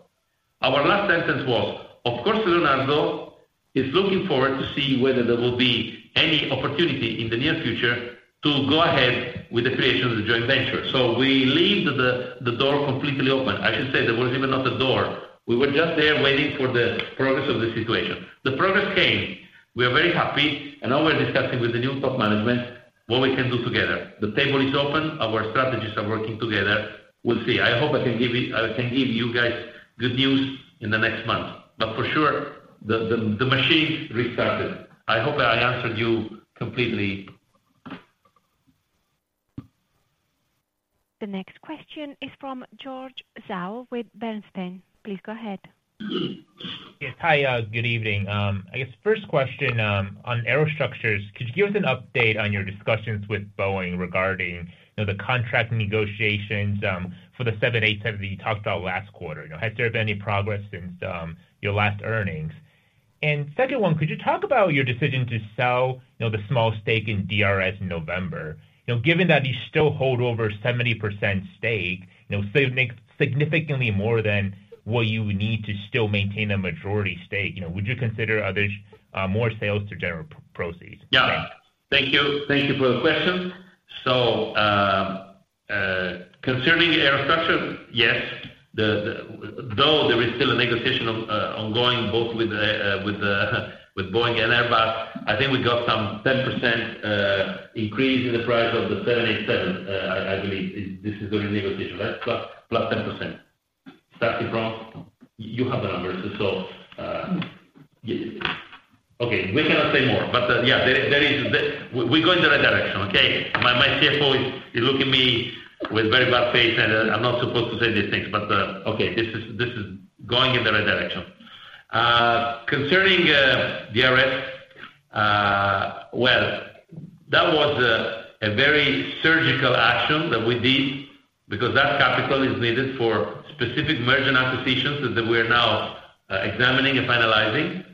our last sentence was, "Of course, Leonardo is looking forward to see whether there will be any opportunity in the near future to go ahead with the creation of the joint venture." So we left the door completely open. I should say there was even not a door. We were just there waiting for the progress of the situation. The progress came. We are very happy. Now we're discussing with the new top management what we can do together. The table is open. Our strategies are working together. We'll see. I hope I can give you guys good news in the next month. For sure, the machine restarted. I hope I answered you completely. The next question is from George Zhao with Bernstein. Please go ahead. Yes. Hi. Good evening. I guess first question on Aerostructures, could you give us an update on your discussions with Boeing regarding the contract negotiations for the 787 that you talked about last quarter? Has there been any progress since your last earnings? And second one, could you talk about your decision to sell the small stake in DRS in November? Given that you still hold over 70% stake, still make significantly more than what you need to still maintain a majority stake, would you consider more sales to general proceeds? Yeah. Thank you. Thank you for the question. So concerning Aerostructures, yes. Though there is still a negotiation ongoing both with Boeing and Airbus, I think we got some 10% increase in the price of the 787, I believe. This is the negotiation, right? +10%. You have the numbers. So okay. We cannot say more. But yeah, we're going in the right direction. Okay? My CFO is looking at me with very bad face, and I'm not supposed to say these things. But okay. This is going in the right direction. Concerning DRS, well, that was a very surgical action that we did because that capital is needed for specific merger and acquisitions that we are now examining and finalizing.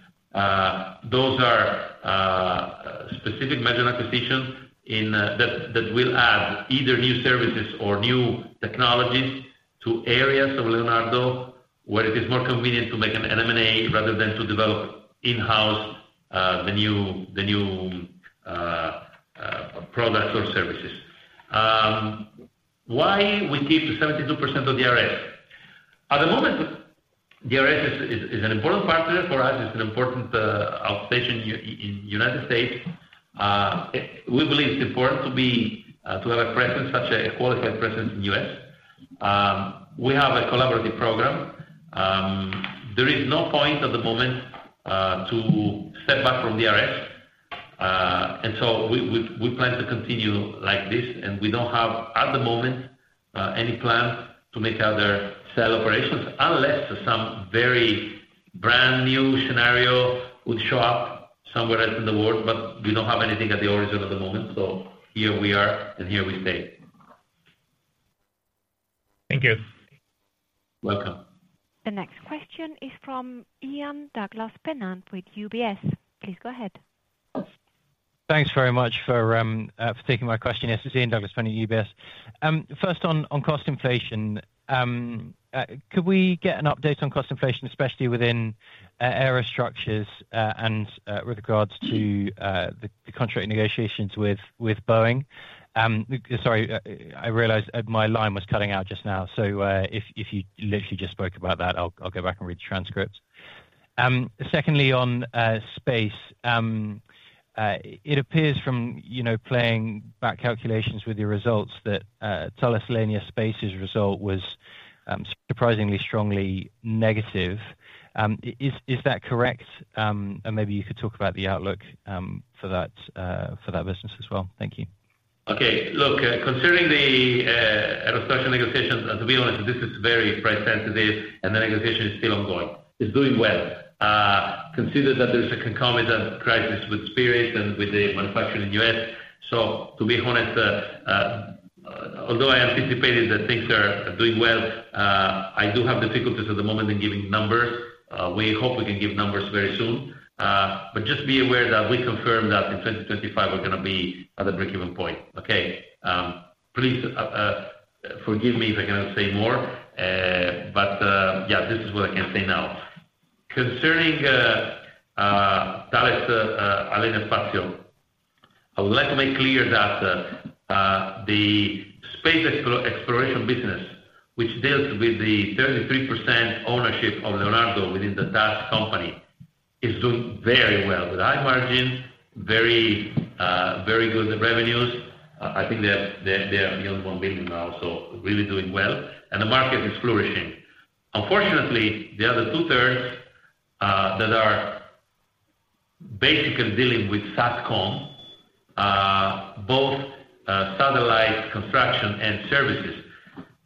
Those are specific merger and acquisitions that will add either new services or new technologies to areas of Leonardo where it is more convenient to make an M&A rather than to develop in-house the new products or services. Why we keep the 72% of DRS? At the moment, DRS is an important partner for us. It's an important outpost in the United States. We believe it's important to have a presence, such a qualified presence, in the U.S. We have a collaborative program. There is no point, at the moment, to step back from DRS. And so we plan to continue like this. And we don't have, at the moment, any plan to make other sale operations unless some very brand new scenario would show up somewhere else in the world. But we don't have anything on the horizon at the moment. So here we are, and here we stay. Thank you. Welcome. The next question is from Ian Douglas-Pennant with UBS. Please go ahead. Thanks very much for taking my question. Yes. It's Ian Douglas-Pennant with UBS. First, on cost inflation, could we get an update on cost inflation, especially within Aerostructures and with regards to the contract negotiations with Boeing? Sorry. I realized my line was cutting out just now. So if you literally just spoke about that, I'll go back and read the transcript. Secondly, on space, it appears from playing back calculations with your results that Thales Alenia Space's result was surprisingly strongly negative. Is that correct? And maybe you could talk about the outlook for that business as well. Thank you. Okay. Look, considering the Aerostructures negotiations, to be honest, this is very price-sensitive, and the negotiation is still ongoing. It's doing well. Consider that there is a concomitant crisis with Spirit and with the manufacturer in the U.S.. So to be honest, although I anticipated that things are doing well, I do have difficulties at the moment in giving numbers. We hope we can give numbers very soon. But just be aware that we confirm that in 2025, we're going to be at a break-even point. Okay? Please forgive me if I cannot say more. But yeah, this is what I can say now. Concerning Thales Alenia Space, I would like to make clear that the space exploration business, which deals with the 33% ownership of Leonardo within the TAS company, is doing very well with high margins, very good revenues. I think they are beyond 1 billion now, so really doing well. The market is flourishing. Unfortunately, the other two-thirds that are basically dealing with SATCOM, both satellite construction and services,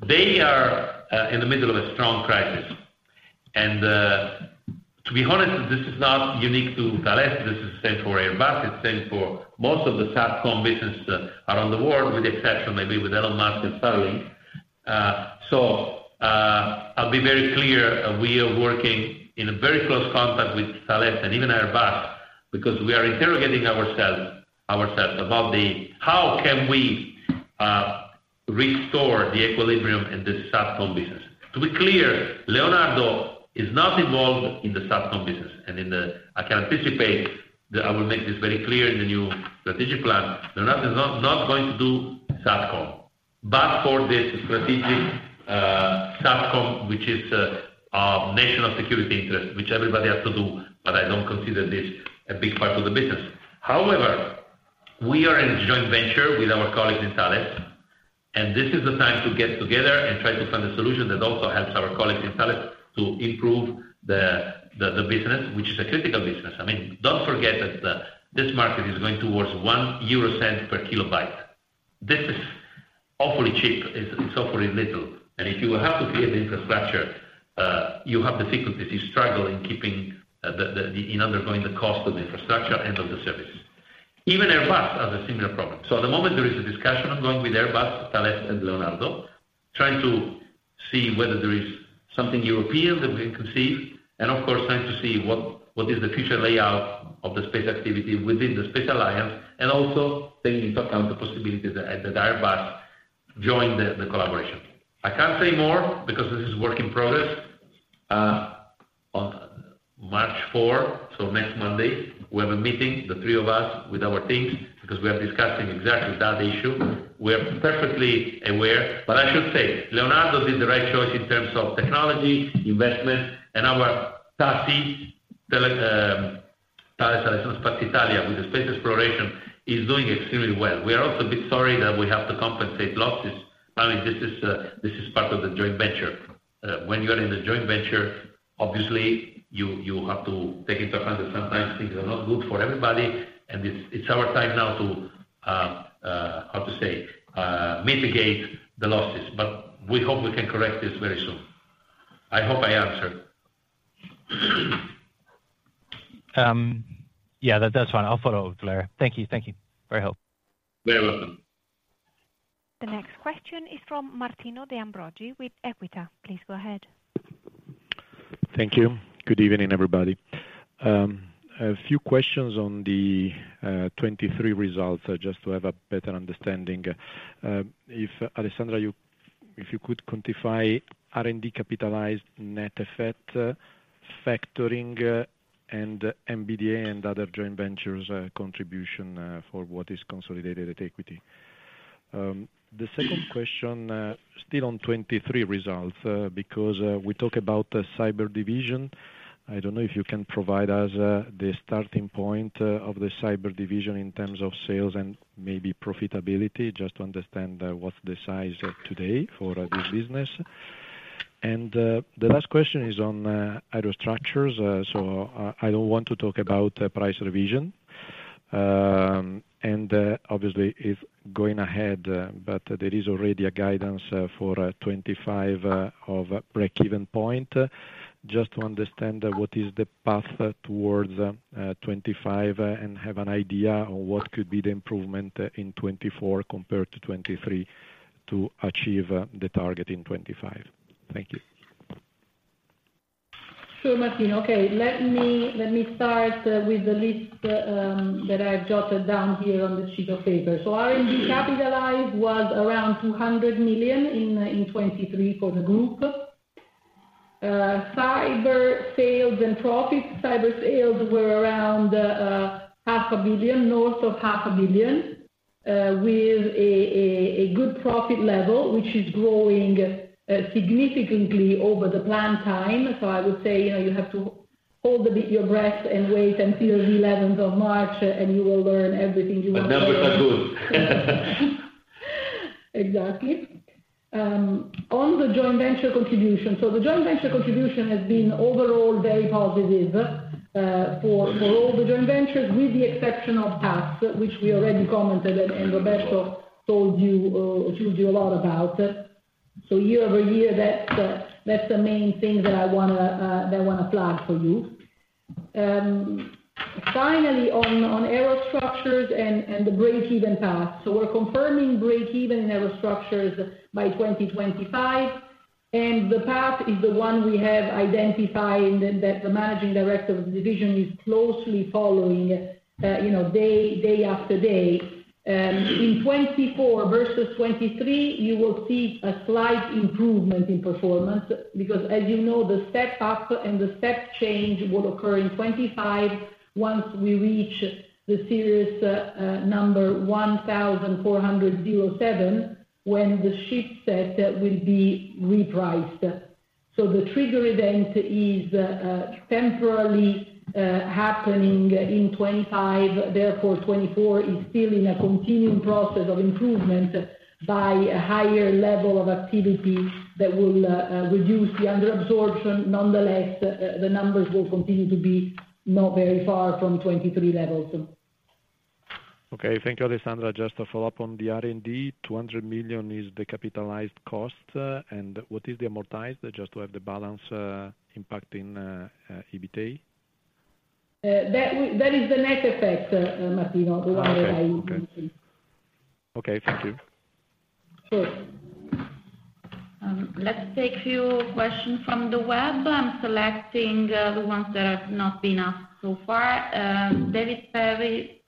they are in the middle of a strong crisis. To be honest, this is not unique to Thales. This is the same for Airbus. It's the same for most of the SATCOM business around the world, with the exception maybe with Elon Musk and Starlink. I'll be very clear. We are working in very close contact with Thales and even Airbus because we are interrogating ourselves about how can we restore the equilibrium in the SATCOM business. To be clear, Leonardo is not involved in the SATCOM business. I can anticipate that I will make this very clear in the new strategic plan. Leonardo is not going to do SATCOM but for this strategic SATCOM, which is of national security interest, which everybody has to do. But I don't consider this a big part of the business. However, we are in a joint venture with our colleagues in Thales. And this is the time to get together and try to find a solution that also helps our colleagues in Thales to improve the business, which is a critical business. I mean, don't forget that this market is going towards 0.01 per kilobyte. This is awfully cheap. It's awfully little. And if you will have to create the infrastructure, you have difficulties. You struggle in undergoing the cost of the infrastructure and of the services. Even Airbus has a similar problem. So at the moment, there is a discussion ongoing with Airbus, Thales, and Leonardo, trying to see whether there is something European that we can conceive. And of course, trying to see what is the future layout of the space activity within the Space Alliance and also taking into account the possibility that Airbus join the collaboration. I can't say more because this is a work in progress. On March 4, so next Monday, we have a meeting, the three of us, with our teams because we are discussing exactly that issue. We are perfectly aware. But I should say Leonardo did the right choice in terms of technology, investment. And our TAS, Thales Alenia Space Italia, with the space exploration, is doing extremely well. We are also a bit sorry that we have to compensate losses. I mean, this is part of the joint venture. When you are in the joint venture, obviously, you have to take into account that sometimes things are not good for everybody. And it's our time now to, how to say, mitigate the losses. But we hope we can correct this very soon. I hope I answered. Yeah. That's fine. I'll follow up, later. Thank you. Thank you. Very helpful. You're welcome. The next question is from Martino De Ambroggi with Equita. Please go ahead. Thank you. Good evening, everybody. A few questions on the 2023 results just to have a better understanding. Alessandra, if you could quantify R&D capitalized net effect factoring and MBDA and other joint ventures' contribution for what is consolidated at equity. The second question, still on 2023 results, because we talk about cyber division. I don't know if you can provide us the starting point of the cyber division in terms of sales and maybe profitability, just to understand what's the size today for this business. And the last question is on Aerostructures. So I don't want to talk about price revision. And obviously, it's going ahead. But there is already a guidance for 2025 of break-even point, just to understand what is the path towards 2025 and have an idea of what could be the improvement in 2024 compared to 2023 to achieve the target in 2025. Thank you. Sure, Martin. Okay. Let me start with the list that I've jotted down here on the sheet of paper. R&D capitalized was around 200 million in 2023 for the group. Cyber sales and profits, cyber sales were around 500 million, north of 500 million, with a good profit level, which is growing significantly over the planned time. I would say you have to hold your breath and wait until the 11th of March, and you will learn everything you want to know. The numbers are good. Exactly. On the joint venture contribution, so the joint venture contribution has been overall very positive for all the joint ventures, with the exception of TAS, which we already commented and Roberto told you a lot about. So year-over-year, that's the main thing that I want to flag for you. Finally, on Aerostructures and the break-even path. So we're confirming break-even in Aerostructures by 2025. And the path is the one we have identified that the managing director of the division is closely following day after day. In 2024 versus 2023, you will see a slight improvement in performance because, as you know, the step up and the step change will occur in 2025 once we reach the serial number 1,400 when the ship set will be repriced. So the trigger event is temporarily happening in 2025. Therefore, 2024 is still in a continuing process of improvement by a higher level of activity that will reduce the underabsorption. Nonetheless, the numbers will continue to be not very far from 2023 levels. Okay. Thank you, Alessandra. Just to follow up on the R&D, 200 million is the capitalized cost. What is the amortized just to have the balance impacting EBITDA? That is the net effect, Martin, the one that I mentioned. Okay. Okay. Thank you. Sure. Let's take a few questions from the web. I'm selecting the ones that have not been asked so far. David Perry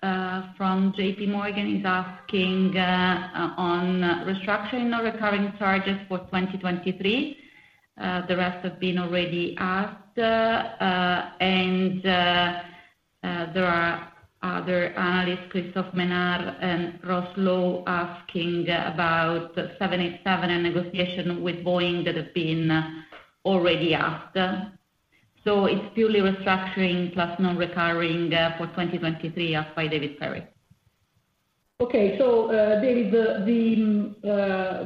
from JPMorgan is asking on restructuring or recurring charges for 2023. The rest have been already asked. There are other analysts, Christophe Menard and Ross Law, asking about B787 and negotiation with Boeing that have been already asked. So it's purely restructuring plus non-recurring for 2023 asked by David Perry. Okay. So David, the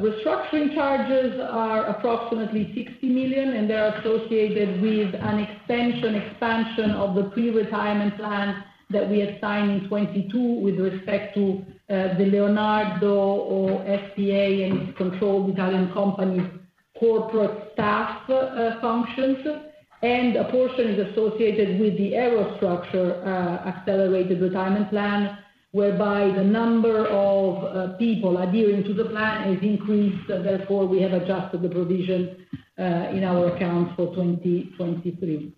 restructuring charges are approximately 60 million. They are associated with an extension expansion of the pre-retirement plan that we assigned in 2022 with respect to the Leonardo S.p.A. and its controlled Italian company corporate staff functions. A portion is associated with the Aerostructures accelerated retirement plan whereby the number of people adhering to the plan has increased. Therefore, we have adjusted the provision in our accounts for 2023.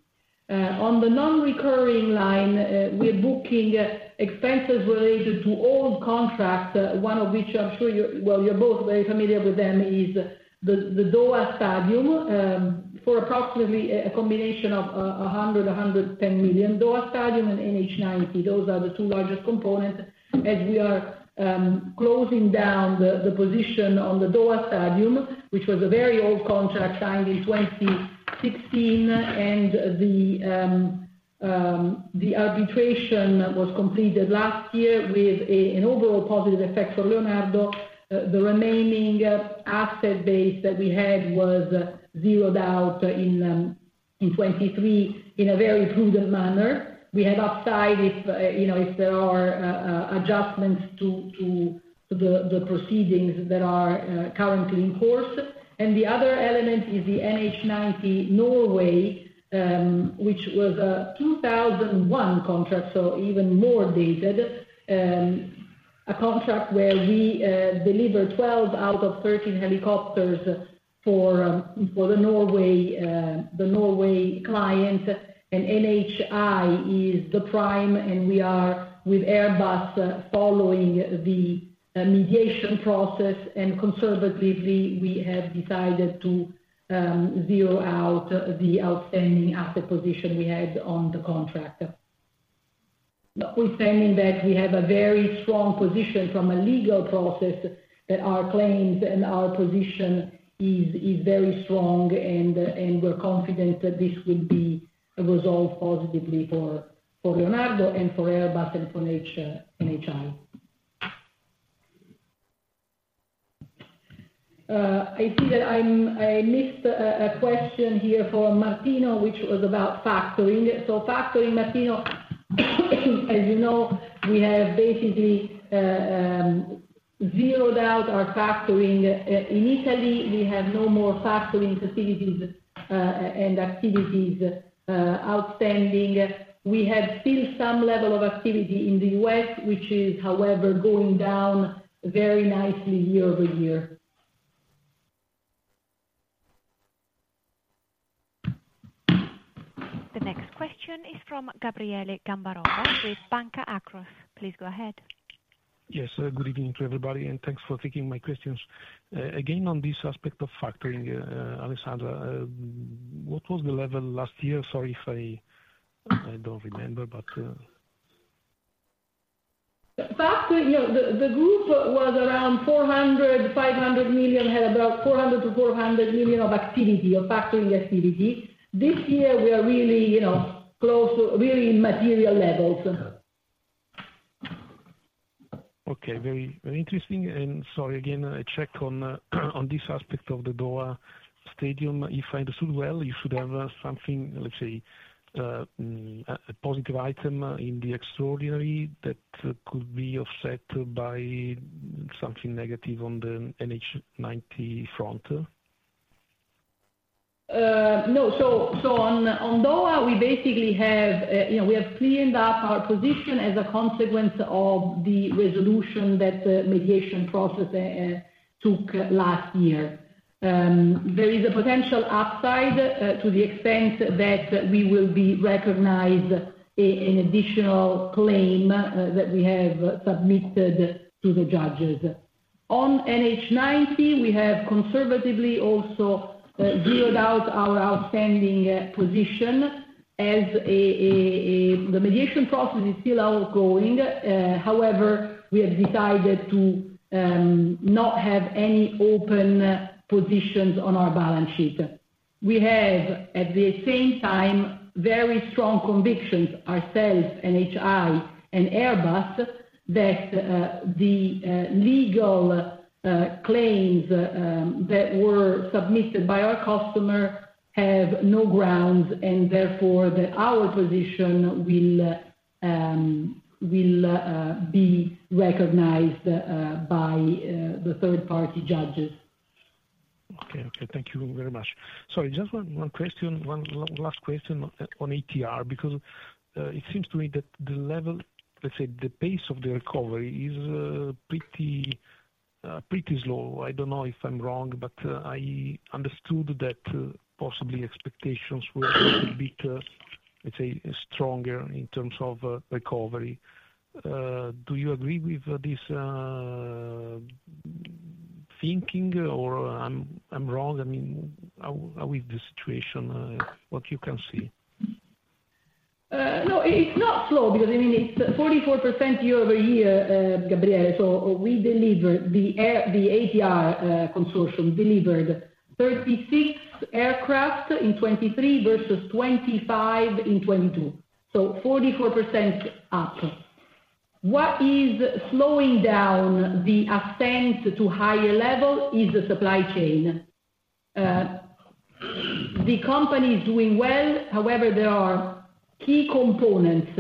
On the non-recurring line, we're booking expenses related to old contracts, one of which I'm sure you're well, you're both very familiar with them, is the Doha Stadium for approximately a combination of 100 million-110 million, Doha Stadium and NH90. Those are the two largest components. As we are closing down the position on the Doha Stadium, which was a very old contract signed in 2016, and the arbitration was completed last year with an overall positive effect for Leonardo, the remaining asset base that we had was zeroed out in 2023 in a very prudent manner. We have upside if there are adjustments to the proceedings that are currently in course. The other element is the NH90 Norway, which was a 2001 contract, so even more dated, a contract where we deliver 12 out of 13 helicopters for the Norway client. NHI is the prime. We are with Airbus following the mediation process. Conservatively, we have decided to zero out the outstanding asset position we had on the contract. Notwithstanding that, we have a very strong position from a legal process that our claims and our position is very strong. We're confident that this will be resolved positively for Leonardo and for Airbus and for NHI. I see that I missed a question here for Martino, which was about factoring. Factoring, Martino, as you know, we have basically zeroed out our factoring. In Italy, we have no more factoring facilities and activities outstanding. We have still some level of activity in the U.S., which is, however, going down very nicely year-over-year. The next question is from Gabriele Gambarova with Banca Akros. Please go ahead. Yes. Good evening to everybody. Thanks for taking my questions. Again, on this aspect of factoring, Alessandra, what was the level last year? Sorry if I don't remember, but. The group was around 400 million-500 million, had about 400 million-400 million of activity or factoring activity. This year, we are really close to really material levels. Okay. Very interesting. And sorry, again, I check on this aspect of the EBITDA margin. If I understood well, you should have something, let's say, a positive item in the extraordinary that could be offset by something negative on the NH90 front. No. So on Doha, we basically have cleaned up our position as a consequence of the resolution that the mediation process took last year. There is a potential upside to the extent that we will be recognized in additional claim that we have submitted to the judges. On NH90, we have conservatively also zeroed out our outstanding position as the mediation process is still outgoing. However, we have decided to not have any open positions on our balance sheet. We have, at the same time, very strong convictions, ourselves, NHI, and Airbus, that the legal claims that were submitted by our customer have no grounds. And therefore, that our position will be recognized by the third-party judges. Okay. Okay. Thank you very much. Sorry. Just one question, one last question on ATR because it seems to me that the level, let's say, the pace of the recovery is pretty slow. I don't know if I'm wrong, but I understood that possibly expectations were a bit, let's say, stronger in terms of recovery. Do you agree with this thinking or I'm wrong? I mean, are we in the situation, what you can see? No. It's not slow because, I mean, it's 44% year-over-year, Gabriele. So we delivered the ATR consortium delivered 36 aircraft in 2023 versus 25 in 2022. So 44% up. What is slowing down the ascent to higher level is the supply chain. The company is doing well. However, there are key components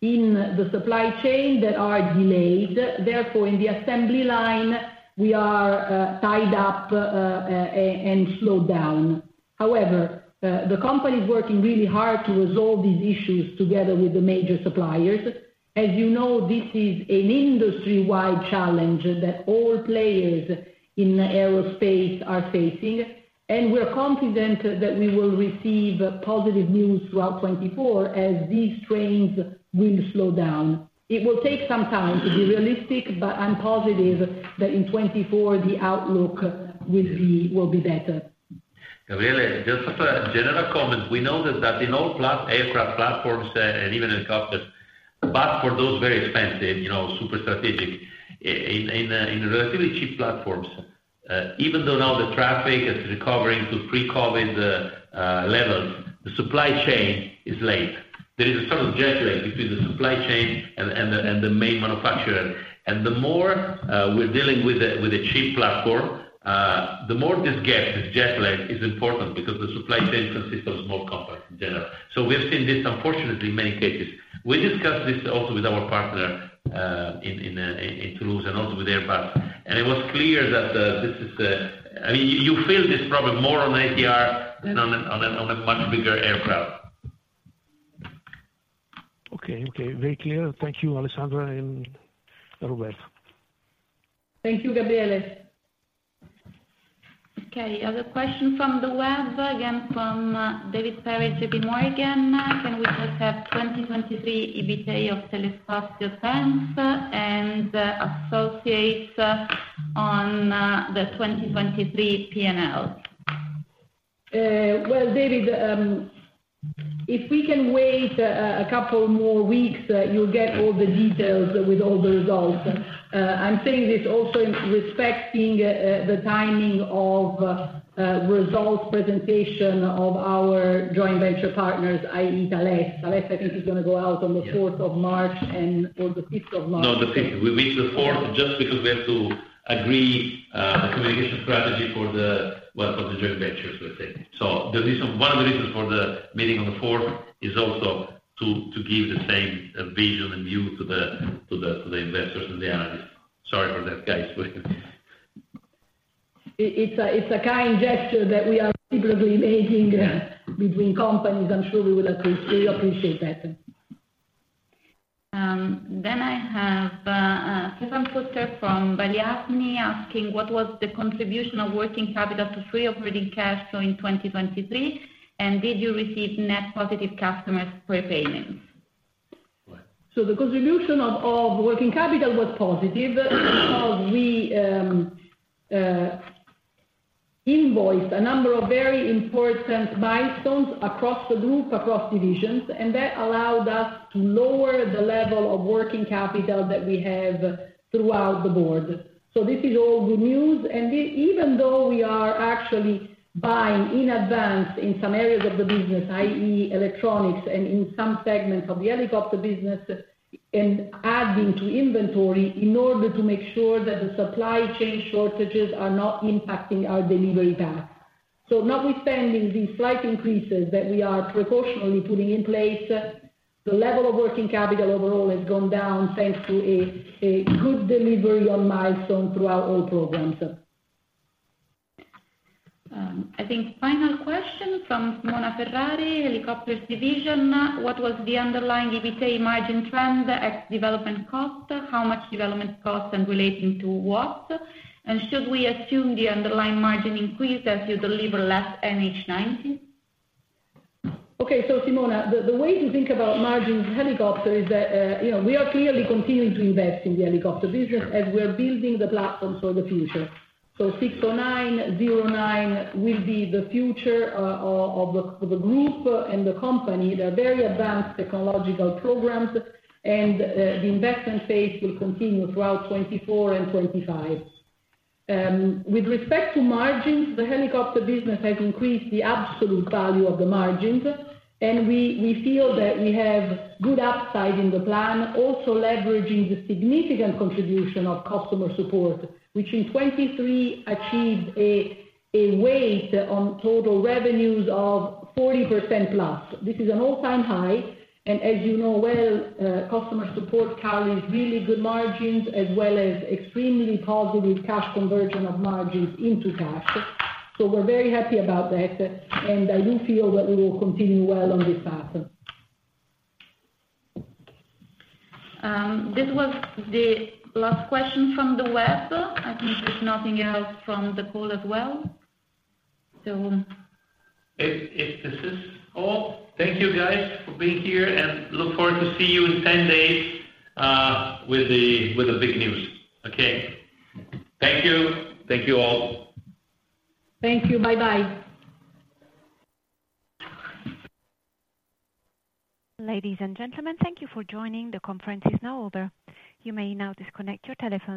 in the supply chain that are delayed. Therefore, in the assembly line, we are tied up and slowed down. However, the company is working really hard to resolve these issues together with the major suppliers. As you know, this is an industry-wide challenge that all players in aerospace are facing. And we're confident that we will receive positive news throughout 2024 as these trains will slow down. It will take some time to be realistic. But I'm positive that in 2024, the outlook will be better. Gabriele, just a general comment. We know that in all aircraft platforms and even helicopters, but for those very expensive, super strategic, in relatively cheap platforms, even though now the traffic is recovering to pre-COVID levels, the supply chain is late. There is a sort of jet lag between the supply chain and the main manufacturer. And the more we're dealing with a cheap platform, the more this gap, this jet lag, is important because the supply chain consists of small companies in general. So we have seen this, unfortunately, in many cases. We discussed this also with our partner in Toulouse and also with Airbus. And it was clear that this is I mean, you feel this problem more on ATR than on a much bigger aircraft. Okay. Okay. Very clear. Thank you, Alessandra and Roberto. Thank you, Gabriele. Okay. Another question from the web, again from David Perry, JPMorgan. Can we just have 2023 EBITDA of Telespazio, TAS and associates on the 2023 P&L? Well, David, if we can wait a couple more weeks, you'll get all the details with all the results. I'm saying this also in respecting the timing of results presentation of our joint venture partners, i.e., Thales. Thales, I think, is going to go out on the 4th of March or the 5th of March. No, the 5th. We missed the 4th just because we have to agree on the communication strategy for the well, for the joint ventures, let's say. So one of the reasons for the meeting on the 4th is also to give the same vision and view to the investors and the analysts. Sorry for that, guys. It's a kind gesture that we are similarly making between companies. I'm sure we will appreciate that. Then I have Stephen Foster from Balyasny asking, "What was the contribution of working capital to free operating cash flow in 2023? And did you receive net positive customers per payments? So the contribution of working capital was positive because we invoiced a number of very important milestones across the group, across divisions. That allowed us to lower the level of working capital that we have across the board. This is all good news. Even though we are actually buying in advance in some areas of the business, i.e., electronics and in some segments of the helicopter business, and adding to inventory in order to make sure that the supply chain shortages are not impacting our delivery path. So now, with spending, these slight increases that we are precautionarily putting in place, the level of working capital overall has gone down thanks to a good delivery on milestones throughout all programs. I think final question from Simona Ferrari, Helicopters Division. "What was the underlying EBITDA margin trend ex development cost? How much development cost and relating to what? And should we assume the underlying margin increase as you deliver less NH90? Okay. So, Simona, the way to think about margins helicopter is that we are clearly continuing to invest in the helicopter business as we are building the platform for the future. So AW609, AW169 will be the future of the group and the company. They're very advanced technological programs. And the investment phase will continue throughout 2024 and 2025. With respect to margins, the helicopter business has increased the absolute value of the margins. And we feel that we have good upside in the plan, also leveraging the significant contribution of customer support, which in 2023 achieved a weight on total revenues of 40%+. This is an all-time high. And as you know well, customer support carries really good margins as well as extremely positive cash conversion of margins into cash. So we're very happy about that. And I do feel that we will continue well on this path. This was the last question from the web. I think there's nothing else from the call as well, so. If this is all, thank you, guys, for being here. Look forward to seeing you in 10 days with the big news. Okay? Thank you. Thank you all. Thank you. Bye-bye. Ladies and gentlemen, thank you for joining. The conference is now over. You may now disconnect your telephone.